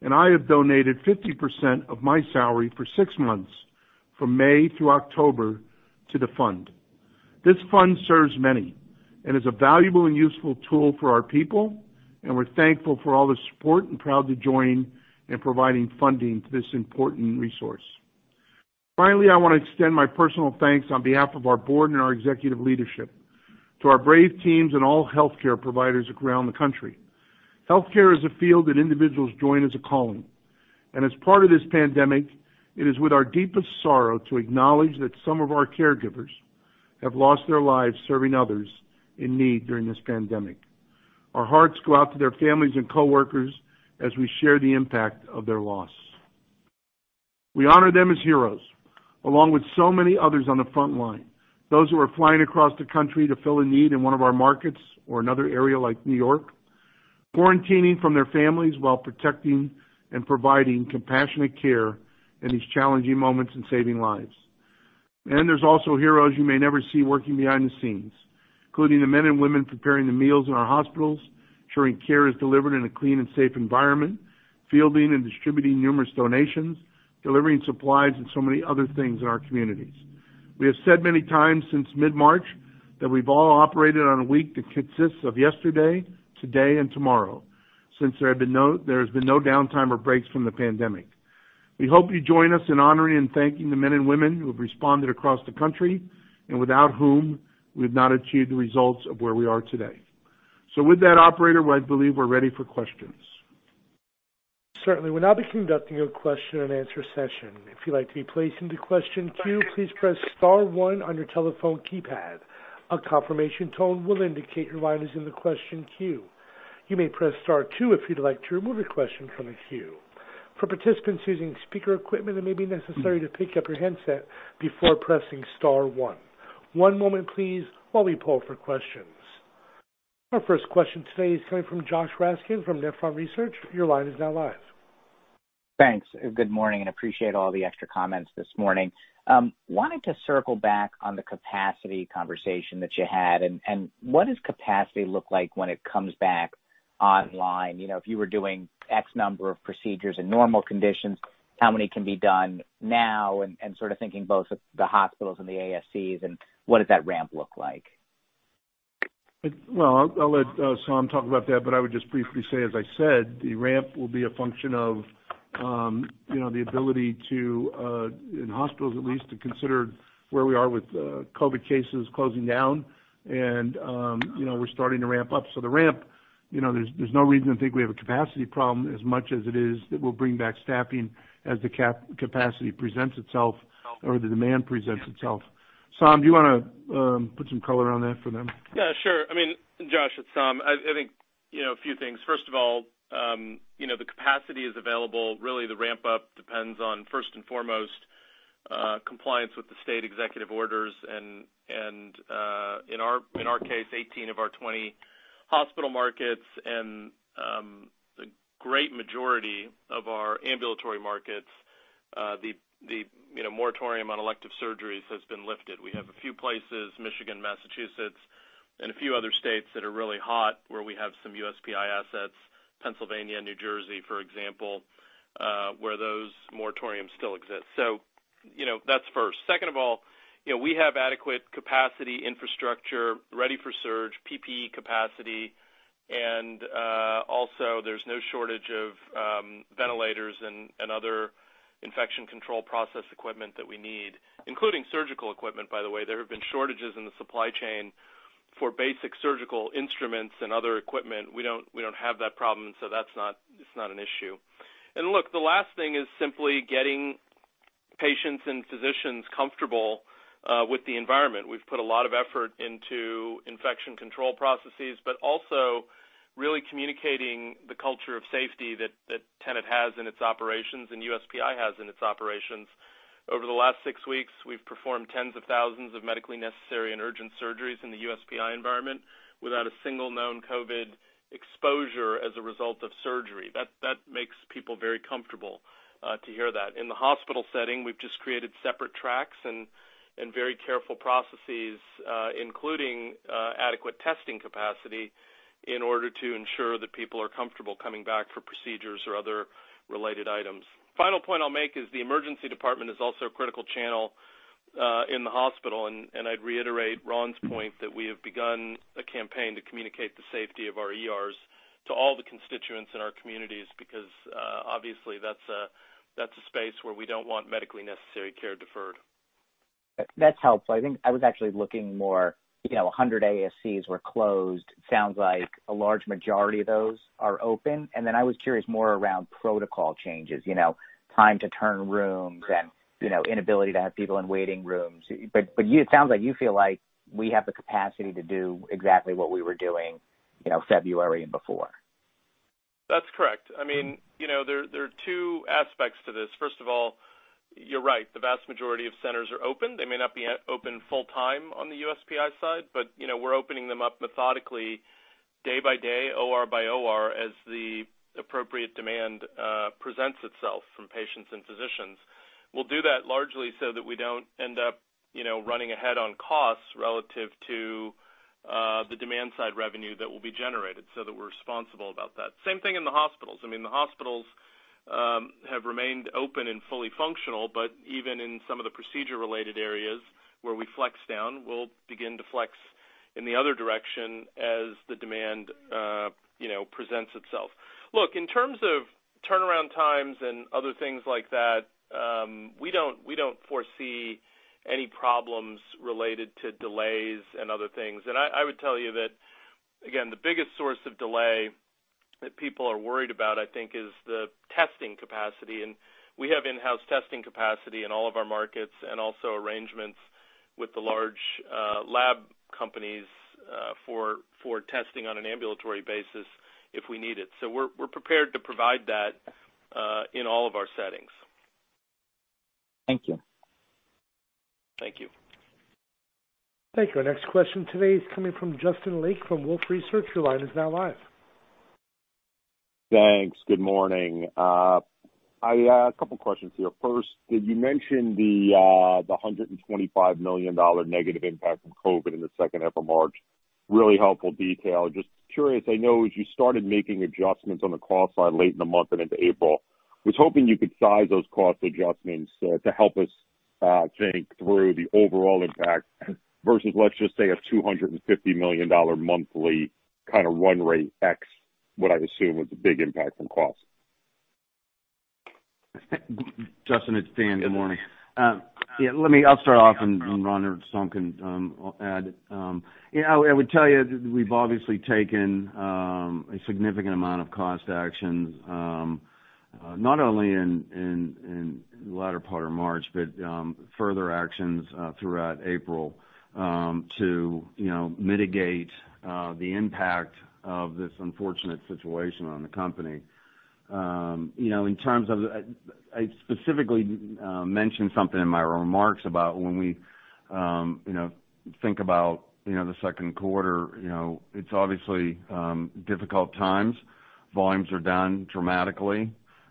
S3: and I have donated 50% of my salary for six months, from May through October, to the fund. This fund serves many and is a valuable and useful tool for our people, and we're thankful for all the support and proud to join in providing funding to this important resource. Finally, I want to extend my personal thanks on behalf of our board and our executive leadership to our brave teams and all healthcare providers around the country. Healthcare is a field that individuals join as a calling, and as part of this pandemic, it is with our deepest sorrow to acknowledge that some of our caregivers have lost their lives serving others in need during this pandemic. Our hearts go out to their families and coworkers as we share the impact of their loss. We honor them as heroes, along with so many others on the front line, those who are flying across the country to fill a need in one of our markets or another area like New York, quarantining from their families while protecting and providing compassionate care in these challenging moments and saving lives. There's also heroes you may never see working behind the scenes, including the men and women preparing the meals in our hospitals, ensuring care is delivered in a clean and safe environment, fielding and distributing numerous donations, delivering supplies, and so many other things in our communities. We have said many times since mid-March that we've all operated on a week that consists of yesterday, today, and tomorrow, since there has been no downtime or breaks from the pandemic. We hope you join us in honoring and thanking the men and women who have responded across the country, and without whom we've not achieved the results of where we are today. With that, operator, I believe we're ready for questions.
S1: Certainly. We'll now be conducting a question and answer session. If you'd like to be placed into question queue, please press star one on your telephone keypad. A confirmation tone will indicate your line is in the question queue. You may press star two if you'd like to remove a question from the queue. For participants using speaker equipment, it may be necessary to pick up your handset before pressing star one. One moment please, while we poll for questions. Our first question today is coming from Josh Raskin from Nephron Research. Your line is now live.
S5: Thanks. Good morning, and appreciate all the extra comments this morning. I wanted to circle back on the capacity conversation that you had, and what does capacity look like when it comes back online? If you were doing X number of procedures in normal conditions, how many can be done now? Sort of thinking both of the hospitals and the ASCs. What does that ramp look like?
S3: Well, I'll let Saum talk about that, but I would just briefly say, as I said, the ramp will be a function of the ability to, in hospitals at least, to consider where we are with COVID cases closing down and we're starting to ramp up. The ramp, there's no reason to think we have a capacity problem as much as it is that we'll bring back staffing as the capacity presents itself or the demand presents itself. Saum, do you want to put some color on that for them?
S6: Yeah, sure. Josh, it's Saum. I think a few things. First of all, the capacity is available. Really the ramp up depends on, first and foremost, compliance with the state executive orders, and in our case, 18 of our 20 hospital markets and the great majority of our ambulatory markets, the moratorium on elective surgeries has been lifted. We have a few places, Michigan, Massachusetts, and a few other states that are really hot, where we have some USPI assets, Pennsylvania and New Jersey, for example, where those moratoriums still exist. That's first. Second of all, we have adequate capacity infrastructure ready for surge, PPE capacity, and also there's no shortage of ventilators and other infection control process equipment that we need, including surgical equipment, by the way. There have been shortages in the supply chain for basic surgical instruments and other equipment. We don't have that problem, so it's not an issue. Look, the last thing is simply getting patients and physicians comfortable with the environment. We've put a lot of effort into infection control processes, but also really communicating the culture of safety that Tenet has in its operations and USPI has in its operations. Over the last six weeks, we've performed tens of thousands of medically necessary and urgent surgeries in the USPI environment without a single known COVID exposure as a result of surgery. That makes people very comfortable to hear that. In the hospital setting, we've just created separate tracks and very careful processes, including adequate testing capacity in order to ensure that people are comfortable coming back for procedures or other related items. Final point I'll make is the emergency department is also a critical channel in the hospital. I'd reiterate Ron's point that we have begun a campaign to communicate the safety of our ERs to all the constituents in our communities, because, obviously, that's a space where we don't want medically necessary care deferred.
S5: That's helpful. I think I was actually looking more. 100 ASCs were closed. Sounds like a large majority of those are open. Then I was curious more around protocol changes. Time to turn rooms and inability to have people in waiting rooms. It sounds like you feel like we have the capacity to do exactly what we were doing February and before.
S6: That's correct. There are two aspects to this. First of all, you're right. The vast majority of centers are open. They may not be open full time on the USPI side, but we're opening them up methodically day by day, OR by OR, as the appropriate demand presents itself from patients and physicians. We'll do that largely so that we don't end up running ahead on costs relative to the demand-side revenue that will be generated so that we're responsible about that. Same thing in the hospitals. The hospitals have remained open and fully functional, but even in some of the procedure-related areas where we flex down, we'll begin to flex in the other direction as the demand presents itself. Look, in terms of turnaround times and other things like that, we don't foresee any problems related to delays and other things. I would tell you that, again, the biggest source of delay that people are worried about, I think, is the testing capacity. We have in-house testing capacity in all of our markets, and also arrangements with the large lab companies for testing on an ambulatory basis if we need it. We're prepared to provide that in all of our settings.
S5: Thank you.
S6: Thank you.
S1: Thank you. Our next question today is coming from Justin Lake from Wolfe Research. Your line is now live.
S7: Thanks. Good morning. I have a couple questions here. First, you mentioned the $125 million negative impact from COVID in the second half of March. Really helpful detail. Just curious, I know as you started making adjustments on the cost side late in the month and into April, I was hoping you could size those cost adjustments to help us think through the overall impact versus, let's just say, a $250 million monthly run rate X, what I assume was a big impact from cost.
S4: Justin, it's Dan. Good morning.
S7: Good morning.
S4: Yeah. I'll start off, and Ron or Saum can add. I would tell you that we've obviously taken a significant amount of cost actions, not only in the latter part of March, but further actions throughout April to mitigate the impact of this unfortunate situation on the company. I specifically mentioned something in my remarks about when we think about the second quarter, it's obviously difficult times. Volumes are down dramatically.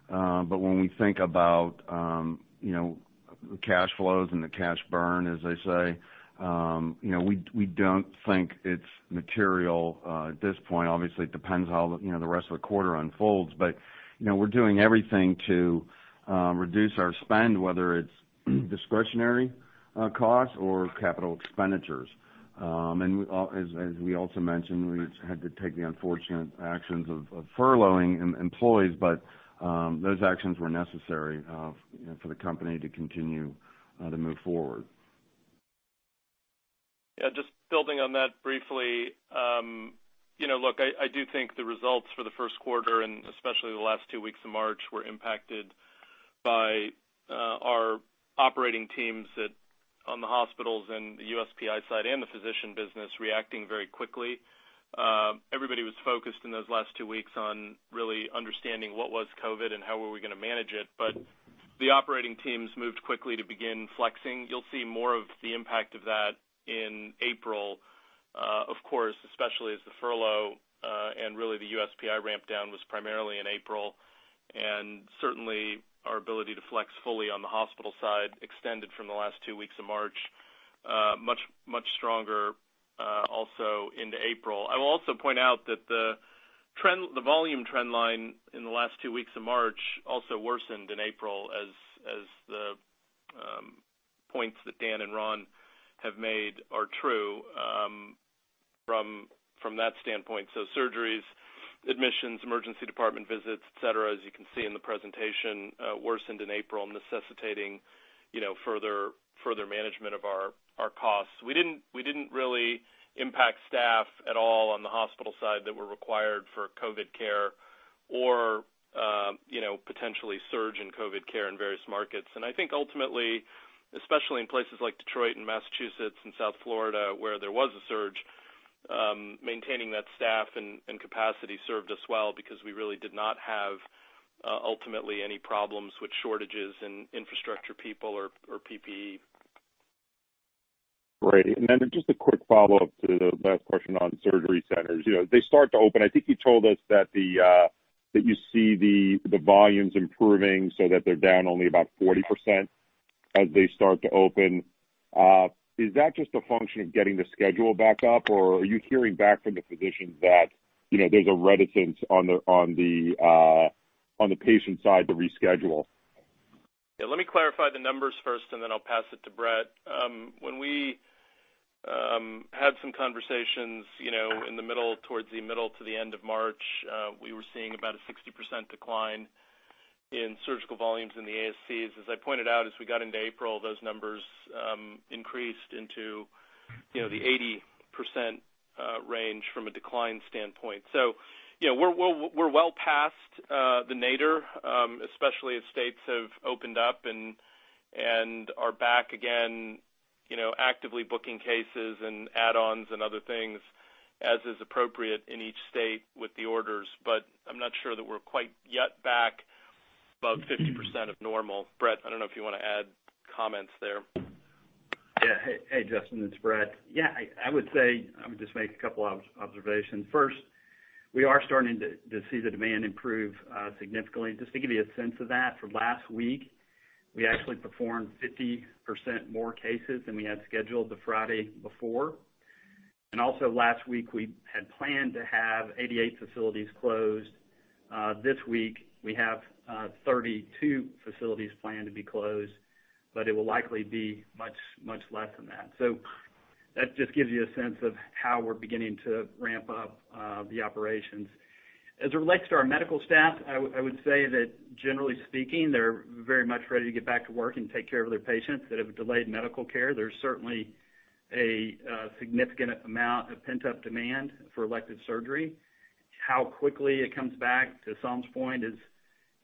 S4: When we think about the cash flows and the cash burn, as they say, we don't think it's material at this point. Obviously, it depends how the rest of the quarter unfolds. We're doing everything to reduce our spend, whether it's discretionary costs or capital expenditures. As we also mentioned, we had to take the unfortunate actions of furloughing employees, but those actions were necessary for the company to continue to move forward.
S6: Just building on that briefly. I do think the results for the first quarter, and especially the last two weeks of March, were impacted by our operating teams on the hospitals and the USPI side and the physician business reacting very quickly. Everybody was focused in those last two weeks on really understanding what was COVID and how were we going to manage it. The operating teams moved quickly to begin flexing. You'll see more of the impact of that in April, of course, especially as the furlough, and really the USPI ramp down was primarily in April. Certainly, our ability to flex fully on the hospital side extended from the last two weeks of March, much stronger also into April. I will also point out that the volume trend line in the last two weeks of March also worsened in April as the points that Dan and Ron have made are true from that standpoint. Surgeries, admissions, emergency department visits, et cetera, as you can see in the presentation, worsened in April, necessitating further management of our costs. We didn't really impact staff at all on the hospital side that were required for COVID care or potentially surge in COVID care in various markets. I think ultimately, especially in places like Detroit and Massachusetts and South Florida, where there was a surge, maintaining that staff and capacity served us well because we really did not have ultimately any problems with shortages in infrastructure people or PPE.
S7: Great. Just a quick follow-up to the last question on surgery centers. They start to open. I think you told us that you see the volumes improving so that they're down only about 40% as they start to open. Is that just a function of getting the schedule back up, or are you hearing back from the physicians that there's a reticence on the patient side to reschedule?
S6: Yeah, let me clarify the numbers first, and then I'll pass it to Brett. When we had some conversations towards the middle to the end of March, we were seeing about a 60% decline in surgical volumes in the ASCs. As I pointed out, as we got into April, those numbers increased into the 80% range from a decline standpoint. Yeah, we're well past the nadir, especially as states have opened up and are back again actively booking cases and add-ons and other things as is appropriate in each state with the orders. I'm not sure that we're quite yet back above 50% of normal. Brett, I don't know if you want to add comments there.
S8: Yeah. Hey, Justin, it's Brett. I would just make a couple observations. First, we are starting to see the demand improve significantly. Just to give you a sense of that, for last week, we actually performed 50% more cases than we had scheduled the Friday before. Also last week, we had planned to have 88 facilities closed. This week, we have 32 facilities planned to be closed, it will likely be much less than that. That just gives you a sense of how we're beginning to ramp up the operations. As it relates to our medical staff, I would say that generally speaking, they're very much ready to get back to work and take care of their patients that have delayed medical care. There's certainly a significant amount of pent-up demand for elective surgery. How quickly it comes back, to Saum's point,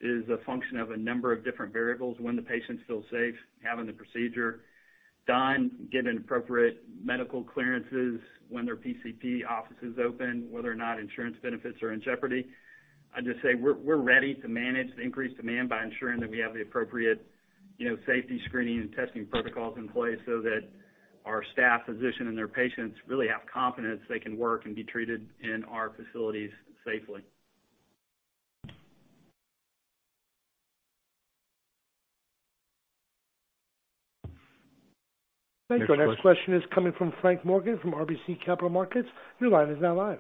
S8: is a function of a number of different variables. When the patients feel safe having the procedure done, given appropriate medical clearances, when their PCP office is open, whether or not insurance benefits are in jeopardy. I'd just say we're ready to manage the increased demand by ensuring that we have the appropriate safety screening and testing protocols in place so that our staff physician and their patients really have confidence they can work and be treated in our facilities safely.
S1: Thank you. Our next question is coming from Frank Morgan of RBC Capital Markets. Your line is now live.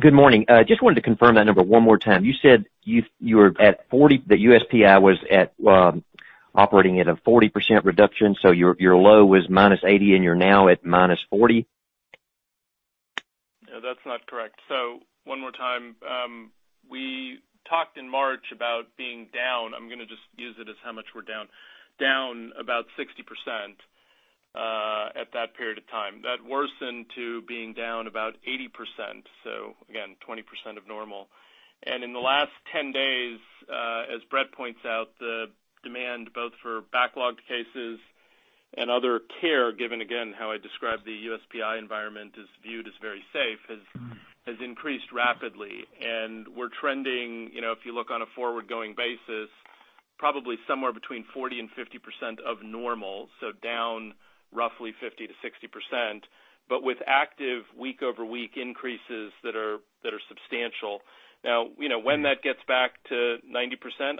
S9: Good morning. Just wanted to confirm that number one more time. You said that USPI was operating at a 40% reduction. Your low was -80% and you're now at -40%?
S6: No, that's not correct. One more time. We talked in March about being down. I'm going to just use it as how much we're down. Down about 60% at that period of time. That worsened to being down about 80%, so again, 20% of normal. In the last 10 days, as Brett points out, the demand both for backlogged cases and other care, given again how I described the USPI environment is viewed as very safe, has increased rapidly, and we're trending, if you look on a forward-going basis, probably somewhere between 40% and 50% of normal, down roughly 50%-60%, but with active week-over-week increases that are substantial. When that gets back to 90%,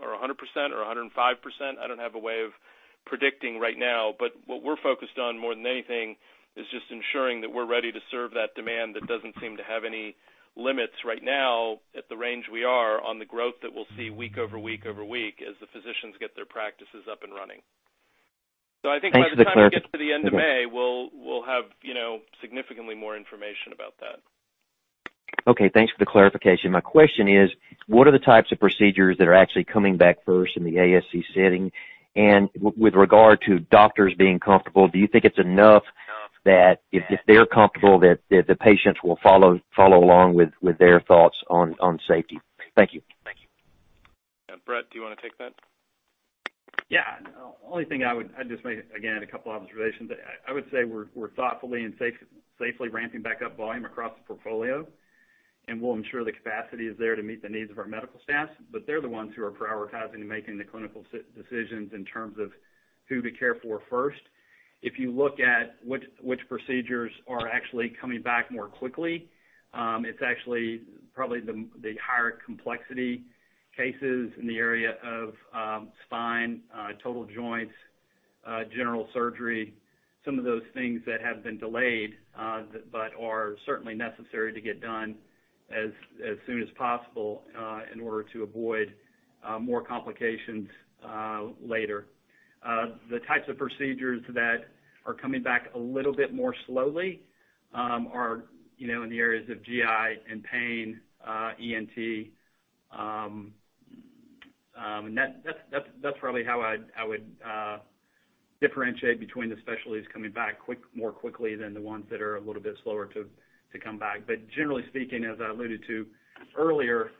S6: or 100%, or 105%, I don't have a way of predicting right now. What we're focused on more than anything is just ensuring that we're ready to serve that demand that doesn't seem to have any limits right now at the range we are on the growth that we'll see week over week over week as the physicians get their practices up and running.
S9: Thanks for the clarification,
S6: I think by the time we get to the end of May, we'll have significantly more information about that.
S9: Okay, thanks for the clarification. My question is, what are the types of procedures that are actually coming back first in the ASC setting? With regard to doctors being comfortable, do you think it's enough that if they're comfortable that the patients will follow along with their thoughts on safety? Thank you.
S6: Brett, do you want to take that?
S8: Yeah. The only thing I would just make, again, a couple observations. I would say we're thoughtfully and safely ramping back up volume across the portfolio, and we'll ensure the capacity is there to meet the needs of our medical staff. They're the ones who are prioritizing and making the clinical decisions in terms of who to care for first. If you look at which procedures are actually coming back more quickly, it's actually probably the higher complexity cases in the area of spine, total joints, general surgery. Some of those things that have been delayed, but are certainly necessary to get done as soon as possible in order to avoid more complications later. The types of procedures that are coming back a little bit more slowly are in the areas of GI and pain, ENT. That's probably how I would differentiate between the specialties coming back more quickly than the ones that are a little bit slower to come back. Generally speaking, as I alluded to earlier,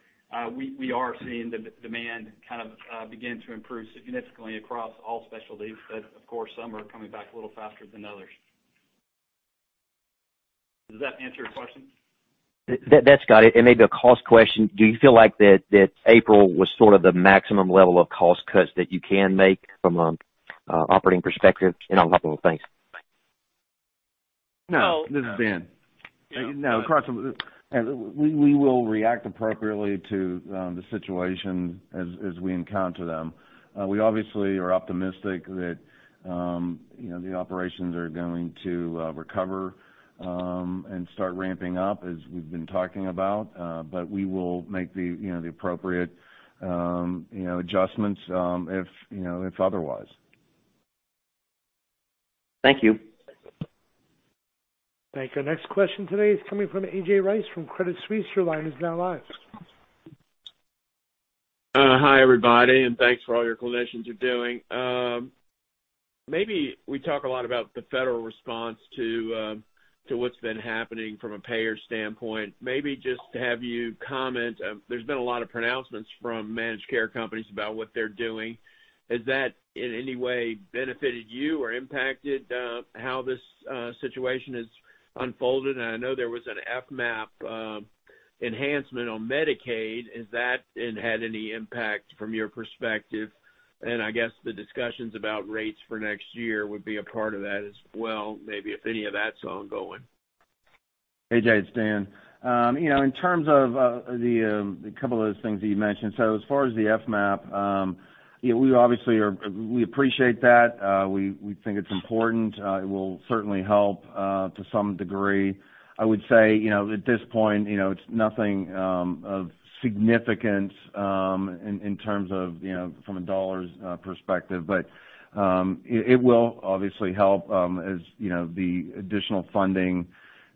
S8: we are seeing demand kind of begin to improve significantly across all specialties. Of course, some are coming back a little faster than others. Does that answer your question?
S9: That's got it. Maybe a cost question. Do you feel like that April was sort of the maximum level of cost cuts that you can make from an operating perspective? I'll stop there. Thanks.
S3: No.
S4: This is Dan. No,. We will react appropriately to the situation as we encounter them. We obviously are optimistic that the operations are going to recover and start ramping up as we've been talking about. We will make the appropriate adjustments if otherwise.
S9: Thank you.
S1: Thank you. Our next question today is coming from A.J. Rice from Credit Suisse. Your line is now live.
S10: Hi, everybody, and thanks for all your clinicians are doing. Maybe we talk a lot about the federal response to what's been happening from a payer standpoint. Maybe just to have you comment, there's been a lot of pronouncements from managed care companies about what they're doing. Has that in any way benefited you or impacted how this situation has unfolded? I know there was an FMAP enhancement on Medicaid. Has that had any impact from your perspective? I guess the discussions about rates for next year would be a part of that as well, maybe if any of that's ongoing.
S4: A.J., it's Dan. In terms of a couple of those things that you mentioned, as far as the FMAP, we appreciate that. We think it's important. It will certainly help to some degree. I would say, at this point, it's nothing of significance in terms of from a dollars perspective. It will obviously help as the additional funding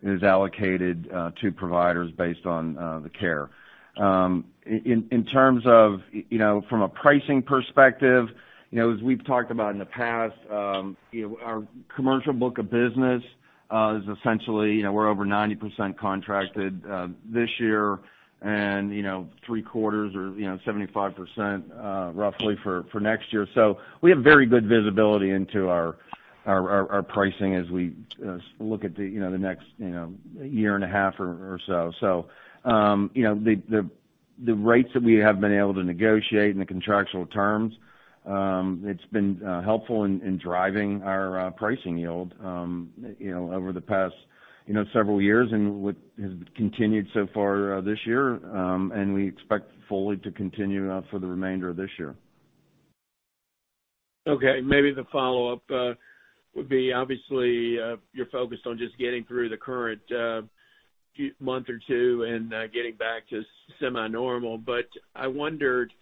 S4: is allocated to providers based on the care. In terms of from a pricing perspective, as we've talked about in the past, our commercial book of business is essentially we're over 90% contracted this year and three quarters or 75% roughly for next year. We have very good visibility into our pricing as we look at the next year and a half or so. The rates that we have been able to negotiate and the contractual terms, it's been helpful in driving our pricing yield over the past several years and has continued so far this year, and we expect fully to continue for the remainder of this year.
S10: Okay. Maybe the follow-up would be, obviously, you're focused on just getting through the current month or two and getting back to semi-normal. I wondered,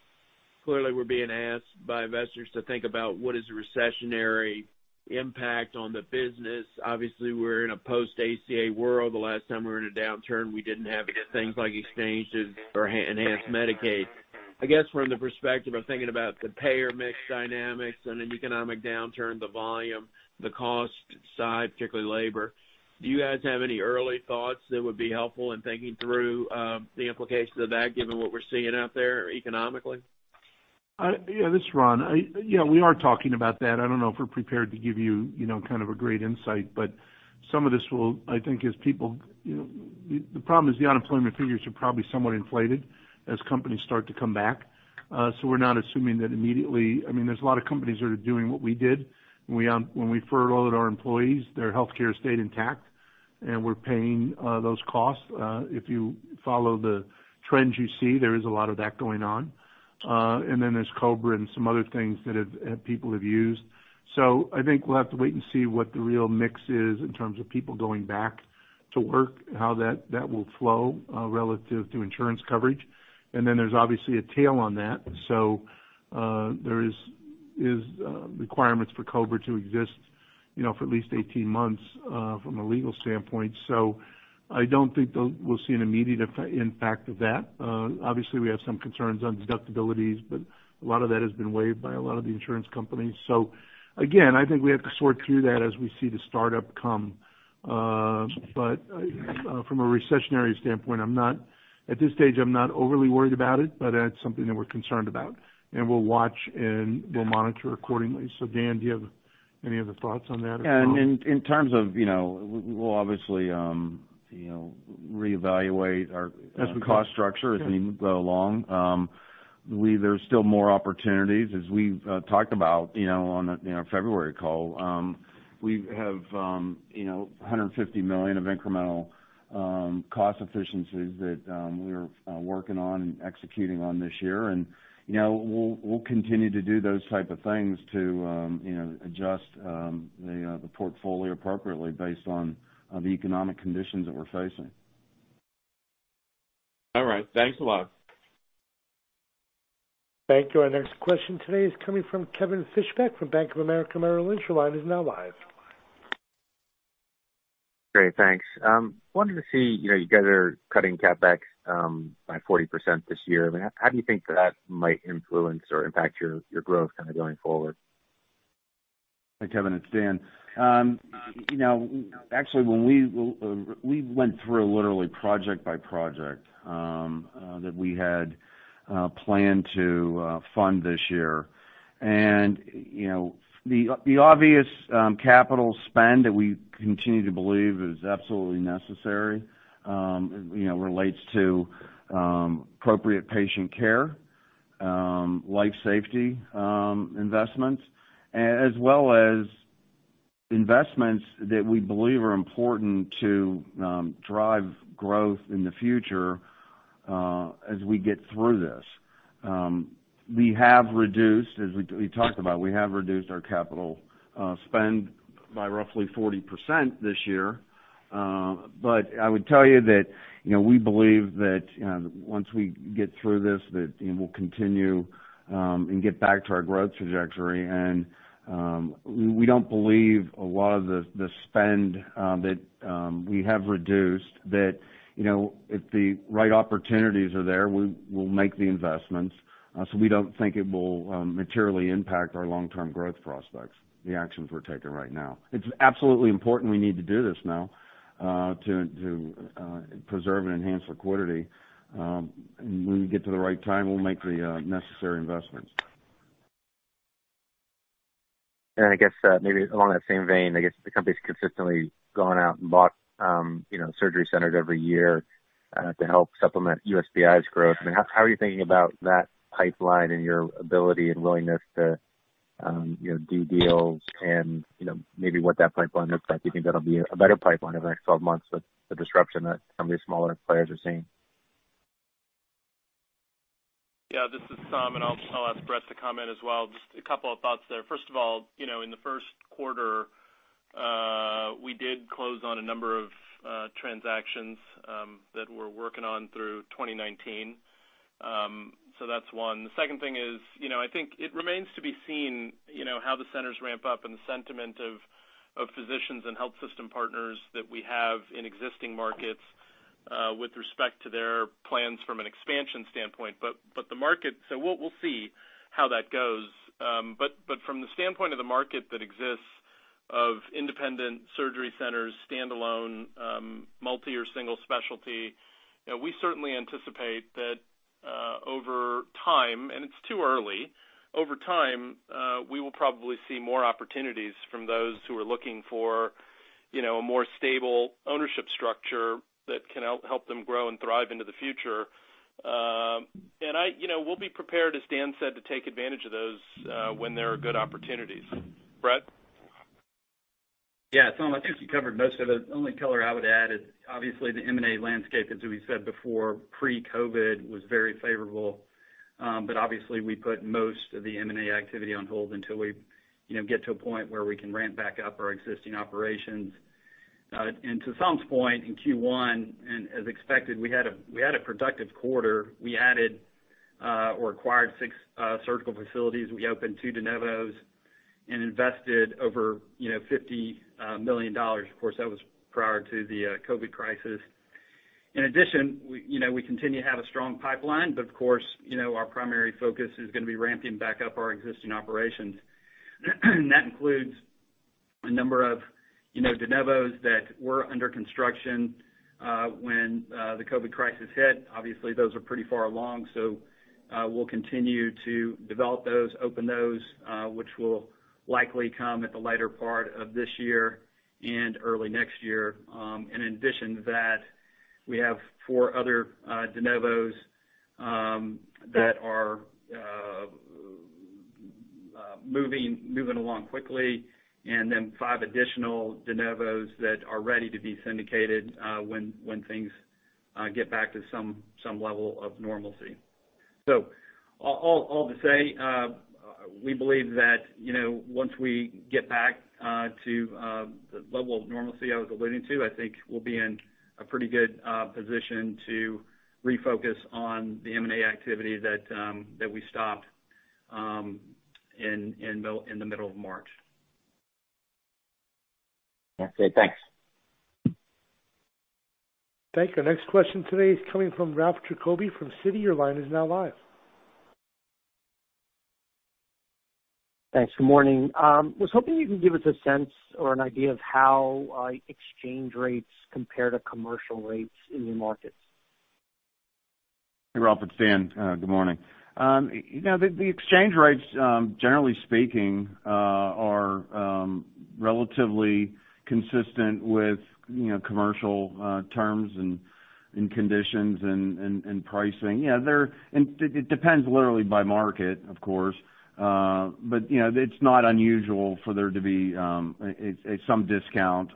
S10: clearly we're being asked by investors to think about what is a recessionary impact on the business. Obviously, we're in a post-ACA world. The last time we were in a downturn, we didn't have things like exchanges or enhanced Medicaid. I guess from the perspective of thinking about the payer mix dynamics in an economic downturn, the volume, the cost side, particularly labor, do you guys have any early thoughts that would be helpful in thinking through the implications of that, given what we're seeing out there economically?
S3: Yeah, this is Ron. We are talking about that. I don't know if we're prepared to give you kind of a great insight. Some of this will. The problem is the unemployment figures are probably somewhat inflated as companies start to come back. We're not assuming that immediately. There's a lot of companies that are doing what we did. When we furloughed our employees, their healthcare stayed intact, and we're paying those costs. If you follow the trends you see, there is a lot of that going on. There's COBRA and some other things that people have used. I think we'll have to wait and see what the real mix is in terms of people going back to work, how that will flow relative to insurance coverage. There's obviously a tail on that. There is requirements for COBRA to exist for at least 18 months from a legal standpoint. I don't think we'll see an immediate impact of that. Obviously, we have some concerns on deductibilities, but a lot of that has been waived by a lot of the insurance companies. Again, I think we have to sort through that as we see the startup come. From a recessionary standpoint, at this stage I'm not overly worried about it, but that's something that we're concerned about, and we'll watch and we'll monitor accordingly. Dan, do you have any other thoughts on that as well?
S4: In terms of, we'll obviously reevaluate our cost structure as we go along. There's still more opportunities. As we've talked about on the February call, we have $150 million of incremental cost efficiencies that we're working on and executing on this year. We'll continue to do those type of things to adjust the portfolio appropriately based on the economic conditions that we're facing.
S10: All right. Thanks a lot.
S1: Thank you. Our next question today is coming from Kevin Fischbeck from Bank of America Merrill Lynch. Your line is now live.
S11: Great, thanks. Wanted to see, you guys are cutting CapEx by 40% this year. How do you think that might influence or impact your growth going forward?
S4: Hi, Kevin, it's Dan. Actually, we went through literally project by project that we had planned to fund this year. The obvious capital spend that we continue to believe is absolutely necessary relates to appropriate patient care, life safety investments, as well as investments that we believe are important to drive growth in the future as we get through this. We have reduced, as we talked about, our capital spend by roughly 40% this year. I would tell you that we believe that once we get through this, that we'll continue and get back to our growth trajectory. We don't believe a lot of the spend that we have reduced, that if the right opportunities are there, we'll make the investments. We don't think it will materially impact our long-term growth prospects, the actions we're taking right now. It's absolutely important we need to do this now to preserve and enhance liquidity. When we get to the right time, we'll make the necessary investments.
S11: I guess maybe along that same vein, I guess the company's consistently gone out and bought surgery centers every year to help supplement USPI's growth. How are you thinking about that pipeline and your ability and willingness to do deals and maybe what that pipeline looks like? Do you think that'll be a better pipeline over the next 12 months with the disruption that some of these smaller players are seeing?
S6: Yeah, this is Saum, and I'll ask Brett to comment as well. Just a couple of thoughts there. First of all, in the first quarter, we did close on a number of transactions that we're working on through 2019. That's one. The second thing is, I think it remains to be seen how the centers ramp up and the sentiment of physicians and health system partners that we have in existing markets with respect to their plans from an expansion standpoint. We'll see how that goes. From the standpoint of the market that exists of independent surgery centers, standalone, multi or single specialty, we certainly anticipate that over time, and it's too early, we will probably see more opportunities from those who are looking for a more stable ownership structure that can help them grow and thrive into the future. We'll be prepared, as Dan said, to take advantage of those when there are good opportunities. Brett?
S8: Yeah, Saum, I think you covered most of it. The only color I would add is obviously the M&A landscape, as we said before, pre-COVID was very favorable. Obviously we put most of the M&A activity on hold until we get to a point where we can ramp back up our existing operations. To Saum's point, in Q1, and as expected, we had a productive quarter. We added or acquired six surgical facilities. We opened two de novos and invested over $50 million. Of course, that was prior to the COVID crisis. In addition, we continue to have a strong pipeline, of course, our primary focus is going to be ramping back up our existing operations. That includes a number of de novos that were under construction when the COVID crisis hit. Those are pretty far along. We'll continue to develop those, open those, which will likely come at the later part of this year and early next year. In addition to that, we have four other de novos that are moving along quickly. Five additional de novos that are ready to be syndicated when things get back to some level of normalcy. All to say, we believe that, once we get back to the level of normalcy I was alluding to, I think we'll be in a pretty good position to refocus on the M&A activity that we stopped in the middle of March.
S11: Okay, thanks.
S1: Thank you. Our next question today is coming from Ralph Giacobbe from Citi. Your line is now live.
S12: Thanks. Good morning. I was hoping you could give us a sense or an idea of how exchange rates compare to commercial rates in your markets.
S4: Hey, Ralph, it's Dan. Good morning. The exchange rates, generally speaking, are relatively consistent with commercial terms and conditions and pricing. It depends literally by market, of course. It's not unusual for there to be some discount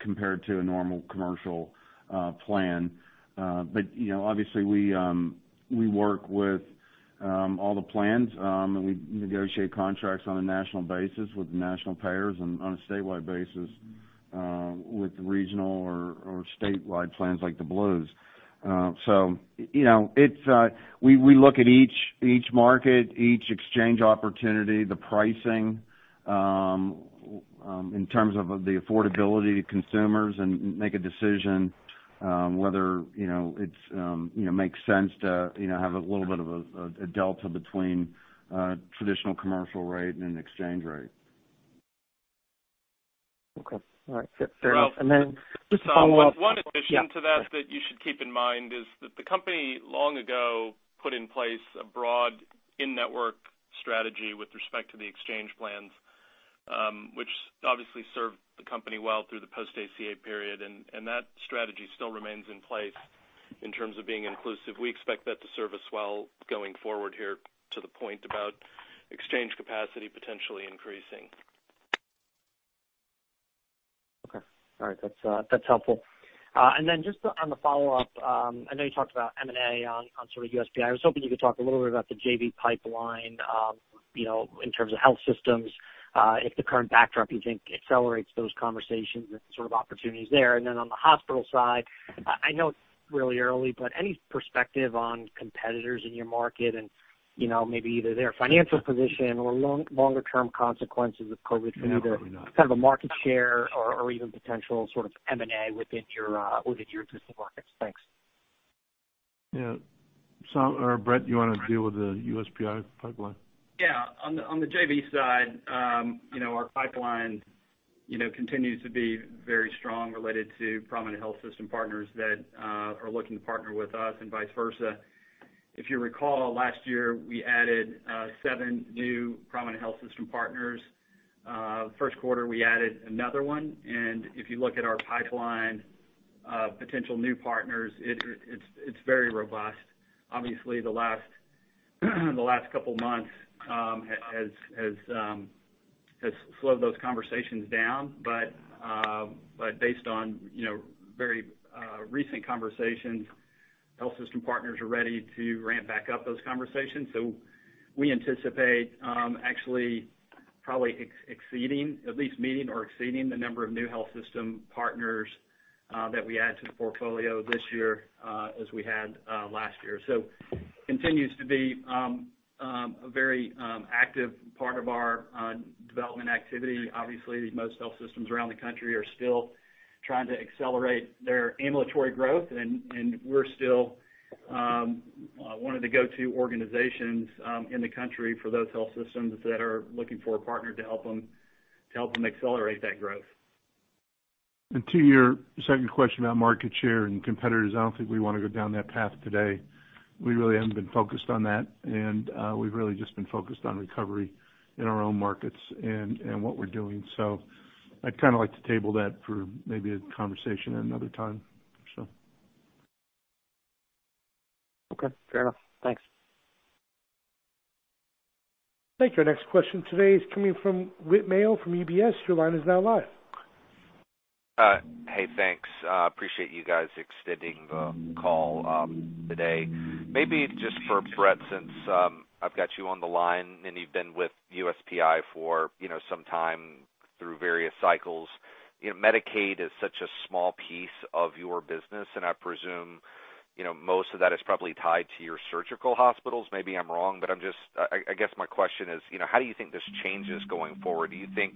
S4: compared to a normal commercial plan. Obviously we work with all the plans, and we negotiate contracts on a national basis with the national payers and on a statewide basis with regional or statewide plans like the Blues. We look at each market, each exchange opportunity, the pricing in terms of the affordability to consumers, and make a decision whether it makes sense to have a little bit of a delta between a traditional commercial rate and an exchange rate.
S12: Okay. All right. Fair enough. Just a follow-up.
S6: One addition to that you should keep in mind is that the company long ago put in place a broad in-network strategy with respect to the exchange plans, which obviously served the company well through the post ACA period. That strategy still remains in place in terms of being inclusive. We expect that to serve us well going forward here to the point about exchange capacity potentially increasing.
S12: Okay. All right. That's helpful. Just on the follow-up, I know you talked about M&A on sort of USPI. I was hoping you could talk a little bit about the JV pipeline, in terms of health systems, if the current backdrop you think accelerates those conversations and sort of opportunities there. On the hospital side, I know it's really early, but any perspective on competitors in your market and maybe either their financial position or longer term consequences of COVID.
S6: No, probably not.
S12: kind of a market share or even potential sort of M&A within your existing markets. Thanks.
S3: Yeah. Brett, you want to deal with the USPI pipeline?
S8: Yeah. On the JV side, our pipeline continues to be very strong related to prominent health system partners that are looking to partner with us and vice versa. If you recall, last year we added seven new prominent health system partners. First quarter, we added another one. If you look at our pipeline of potential new partners, it's very robust. Obviously, the last couple of months has slowed those conversations down. Based on very recent conversations, health system partners are ready to ramp back up those conversations. We anticipate actually probably exceeding, at least meeting or exceeding the number of new health system partners that we add to the portfolio this year as we had last year. Continues to be a very active part of our development activity. Obviously, most health systems around the country are still trying to accelerate their ambulatory growth, and we're still one of the go-to organizations in the country for those health systems that are looking for a partner to help them accelerate that growth.
S3: To your second question about market share and competitors, I don't think we want to go down that path today. We really haven't been focused on that, and we've really just been focused on recovery in our own markets and what we're doing. I'd like to table that for maybe a conversation at another time.
S12: Okay, fair enough. Thanks.
S1: Thank you. Our next question today is coming from Whit Mayo from UBS. Your line is now live.
S13: Hey, thanks. Appreciate you guys extending the call today. Maybe just for Brett, since I've got you on the line, and you've been with USPI for some time through various cycles. Medicaid is such a small piece of your business, and I presume most of that is probably tied to your surgical hospitals. Maybe I'm wrong, but I guess my question is, how do you think this changes going forward? Do you think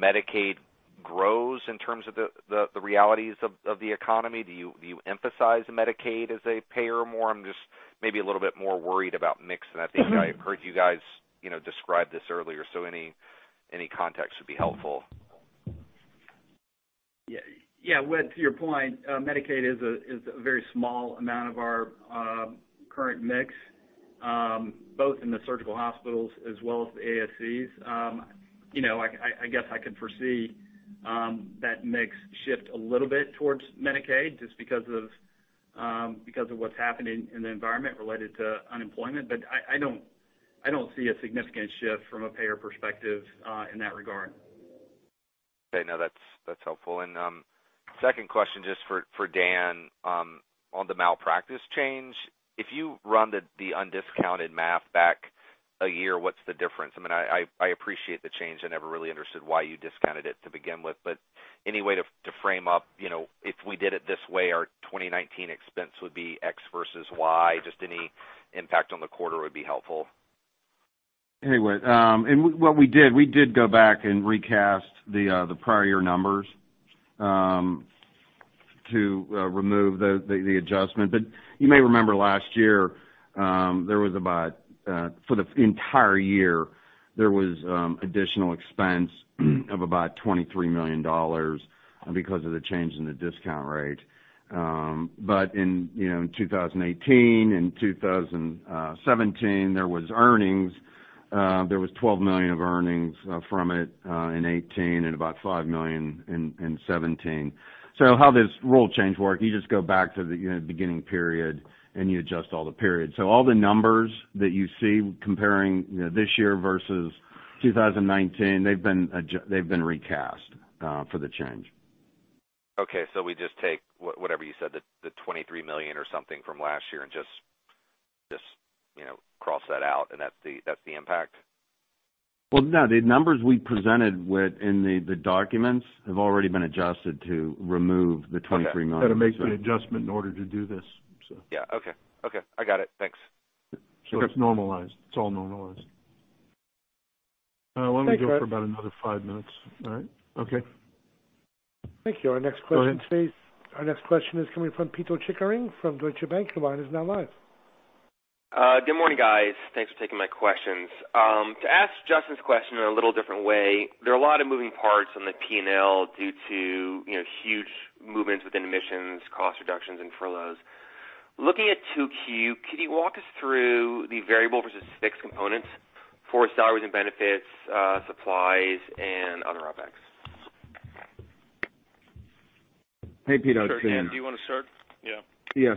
S13: Medicaid grows in terms of the realities of the economy? Do you emphasize Medicaid as a payer more? I'm just maybe a little bit more worried about mix than I think I heard you guys describe this earlier, so any context would be helpful.
S8: Yeah. Whit, to your point, Medicaid is a very small amount of our current mix, both in the surgical hospitals as well as the ASCs. I guess I could foresee that mix shift a little bit towards Medicaid just because of what's happening in the environment related to unemployment. I don't see a significant shift from a payer perspective in that regard.
S13: Okay. No, that's helpful. Second question, just for Dan, on the malpractice change. If you run the undiscounted math back a year, what's the difference? I appreciate the change. I never really understood why you discounted it to begin with, any way to frame up, if we did it this way, our 2019 expense would be X versus Y. Just any impact on the quarter would be helpful.
S4: Hey, Whit. What we did go back and recast the prior year numbers to remove the adjustment. You may remember last year, for the entire year, there was additional expense of about $23 million because of the change in the discount rate. In 2018 and 2017, there was earnings. There was $12 million of earnings from it in 2018 and about $5 million in 2017. How this rule change work, you just go back to the beginning period, and you adjust all the periods. All the numbers that you see comparing this year versus 2019, they've been recast for the change.
S13: Okay. We just take whatever you said, the $23 million or something from last year and just cross that out, and that's the impact?
S4: Well, no, the numbers we presented, Whit, in the documents, have already been adjusted to remove the $23 million.
S3: You've got to make the adjustment in order to do this.
S13: Yeah. Okay. I got it. Thanks.
S3: It's normalized. It's all normalized.
S1: Thanks, Whit.
S3: Why don't we go for about another five minutes. All right? Okay.
S1: Thank you. Our next question today.
S3: Go ahead.
S1: Our next question is coming from Pito Chickering from Deutsche Bank. Your line is now live.
S14: Good morning, guys. Thanks for taking my questions. To ask Justin's question in a little different way, there are a lot of moving parts on the P&L due to huge movements within admissions, cost reductions, and furloughs. Looking at 2Q, can you walk us through the variable versus fixed components for salaries and benefits, supplies, and other OPEX?
S4: Hey, Pito.
S3: Sure. Dan, do you want to start?
S4: Yeah,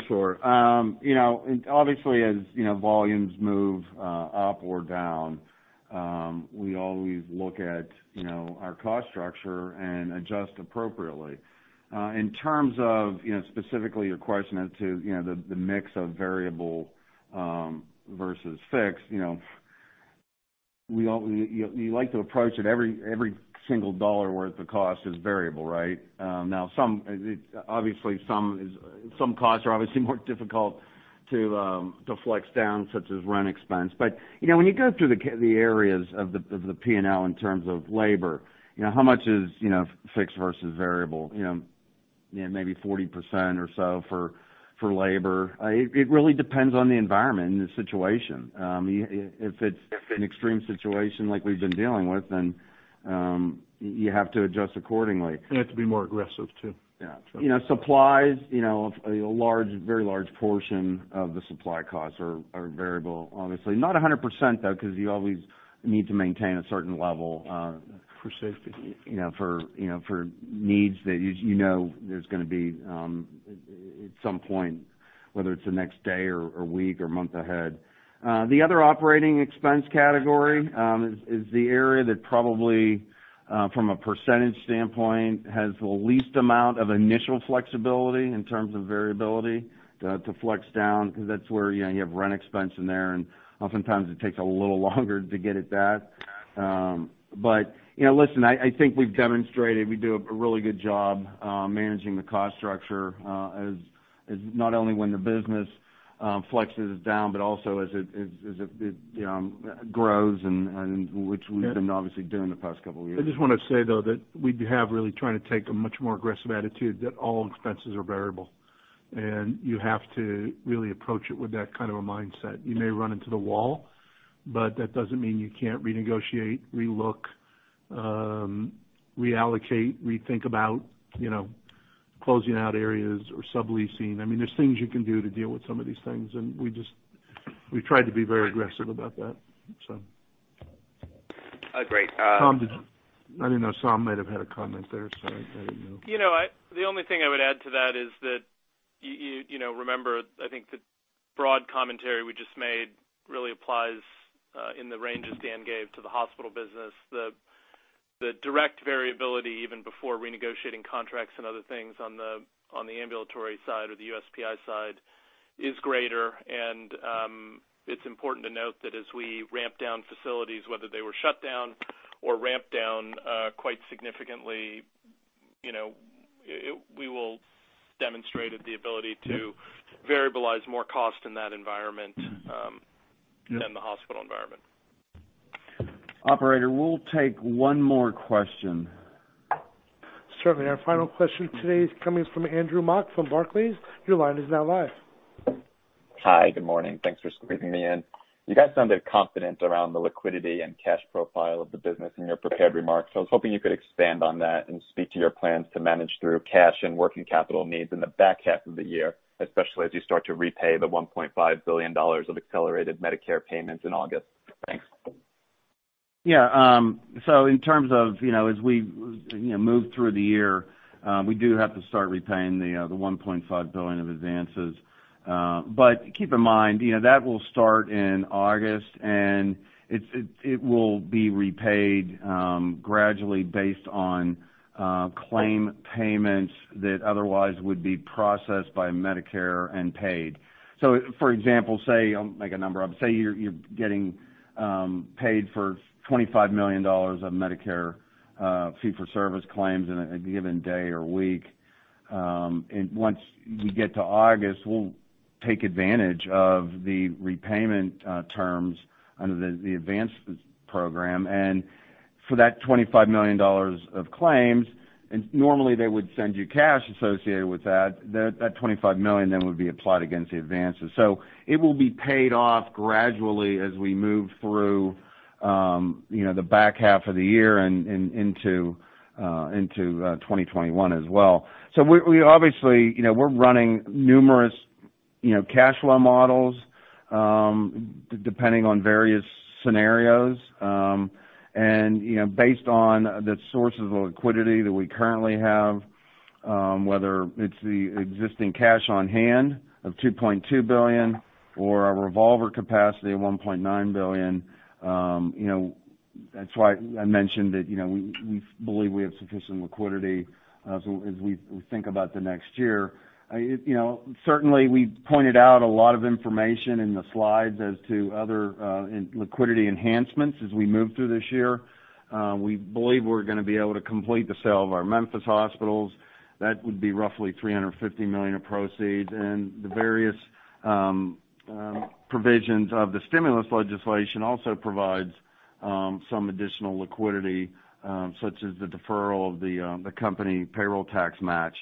S4: sure. Obviously, as volumes move up or down, we always look at our cost structure and adjust appropriately. In terms of specifically your question as to the mix of variable versus fixed, you like to approach it every single dollar worth of cost is variable, right? Obviously, some costs are obviously more difficult to flex down, such as rent expense. But when you go through the areas of the P&L in terms of labor, how much is fixed versus variable? Maybe 40% or so for labor. It really depends on the environment and the situation. If it's an extreme situation like we've been dealing with, then you have to adjust accordingly.
S3: You have to be more aggressive, too.
S4: Yeah. Supplies, a very large portion of the supply costs are variable, obviously. Not 100%, though, because you always need to maintain a certain level-
S3: For safety
S4: for needs that you know there's going to be at some point, whether it's the next day or week or month ahead. The other operating expense category is the area that probably, from a percentage standpoint, has the least amount of initial flexibility in terms of variability to flex down, because that's where you have rent expense in there, and oftentimes it takes a little longer to get at that. Listen, I think we've demonstrated we do a really good job managing the cost structure as not only when the business flexes down, but also as it grows, which we've been obviously doing the past couple of years.
S3: I just want to say, though, that we have really trying to take a much more aggressive attitude that all expenses are variable. You have to really approach it with that kind of a mindset. You may run into the wall, but that doesn't mean you can't renegotiate, re-look, reallocate, rethink about closing out areas or subleasing. There's things you can do to deal with some of these things, and we tried to be very aggressive about that. Great.
S4: I didn't know Saum might have had a comment there. Sorry, I didn't know.
S6: The only thing I would add to that is that, remember, I think the broad commentary we just made really applies in the range as Dan gave to the hospital business. The direct variability, even before renegotiating contracts and other things on the ambulatory side or the USPI side, is greater. It's important to note that as we ramp down facilities, whether they were shut down or ramped down quite significantly, we will demonstrate the ability to variabilize more cost in that environment than the hospital environment.
S3: Operator, we'll take one more question.
S1: Certainly. Our final question today is coming from Andrew Mok from Barclays. Your line is now live.
S15: Hi. Good morning. Thanks for squeezing me in. You guys sounded confident around the liquidity and cash profile of the business in your prepared remarks. I was hoping you could expand on that and speak to your plans to manage through cash and working capital needs in the back half of the year, especially as you start to repay the $1.5 billion of accelerated Medicare payments in August. Thanks.
S4: In terms of as we move through the year, we do have to start repaying the $1.5 billion of advances. Keep in mind, that will start in August, and it will be repaid gradually based on claim payments that otherwise would be processed by Medicare and paid. For example, say, I'll make a number up. Say, you're getting paid for $25 million of Medicare fee-for-service claims in a given day or week. Once you get to August, we'll take advantage of the repayment terms under the advances program. For that $25 million of claims, and normally they would send you cash associated with that $25 million then would be applied against the advances. It will be paid off gradually as we move through the back half of the year and into 2021 as well. We obviously, we're running numerous cash flow models, depending on various scenarios. Based on the sources of liquidity that we currently have, whether it's the existing cash on hand of $2.2 billion or our revolver capacity of $1.9 billion, that's why I mentioned that we believe we have sufficient liquidity as we think about the next year. Certainly, we pointed out a lot of information in the slides as to other liquidity enhancements as we move through this year. We believe we're going to be able to complete the sale of our Memphis hospitals. That would be roughly $350 million of proceeds, and the various provisions of the stimulus legislation also provides some additional liquidity, such as the deferral of the company payroll tax match,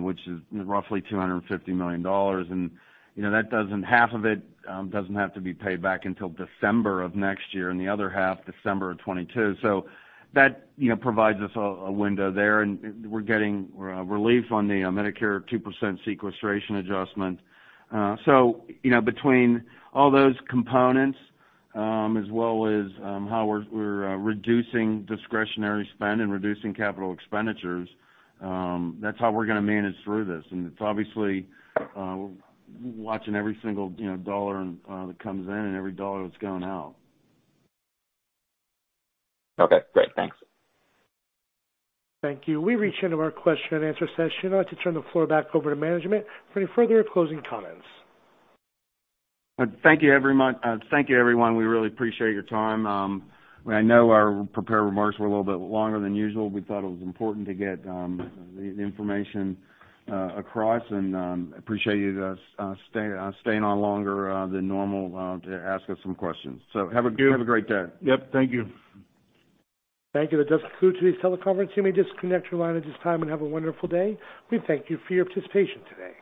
S4: which is roughly $250 million. Half of it doesn't have to be paid back until December of next year, and the other half December of 2022. That provides us a window there, and we're getting relief on the Medicare 2% sequestration adjustment. Between all those components as well as how we're reducing discretionary spend and reducing capital expenditures, that's how we're going to manage through this. It's obviously watching every single dollar that comes in and every dollar that's going out.
S15: Okay, great. Thanks.
S1: Thank you. We've reached the end of our question and answer session. I'd like to turn the floor back over to management for any further closing comments.
S4: Thank you, everyone. We really appreciate your time. I know our prepared remarks were a little bit longer than usual. We thought it was important to get the information across and appreciate you guys staying on longer than normal to ask us some questions. Have a great day.
S3: Yep, thank you.
S1: Thank you. That does conclude today's teleconference. You may disconnect your line at this time, and have a wonderful day. We thank you for your participation today.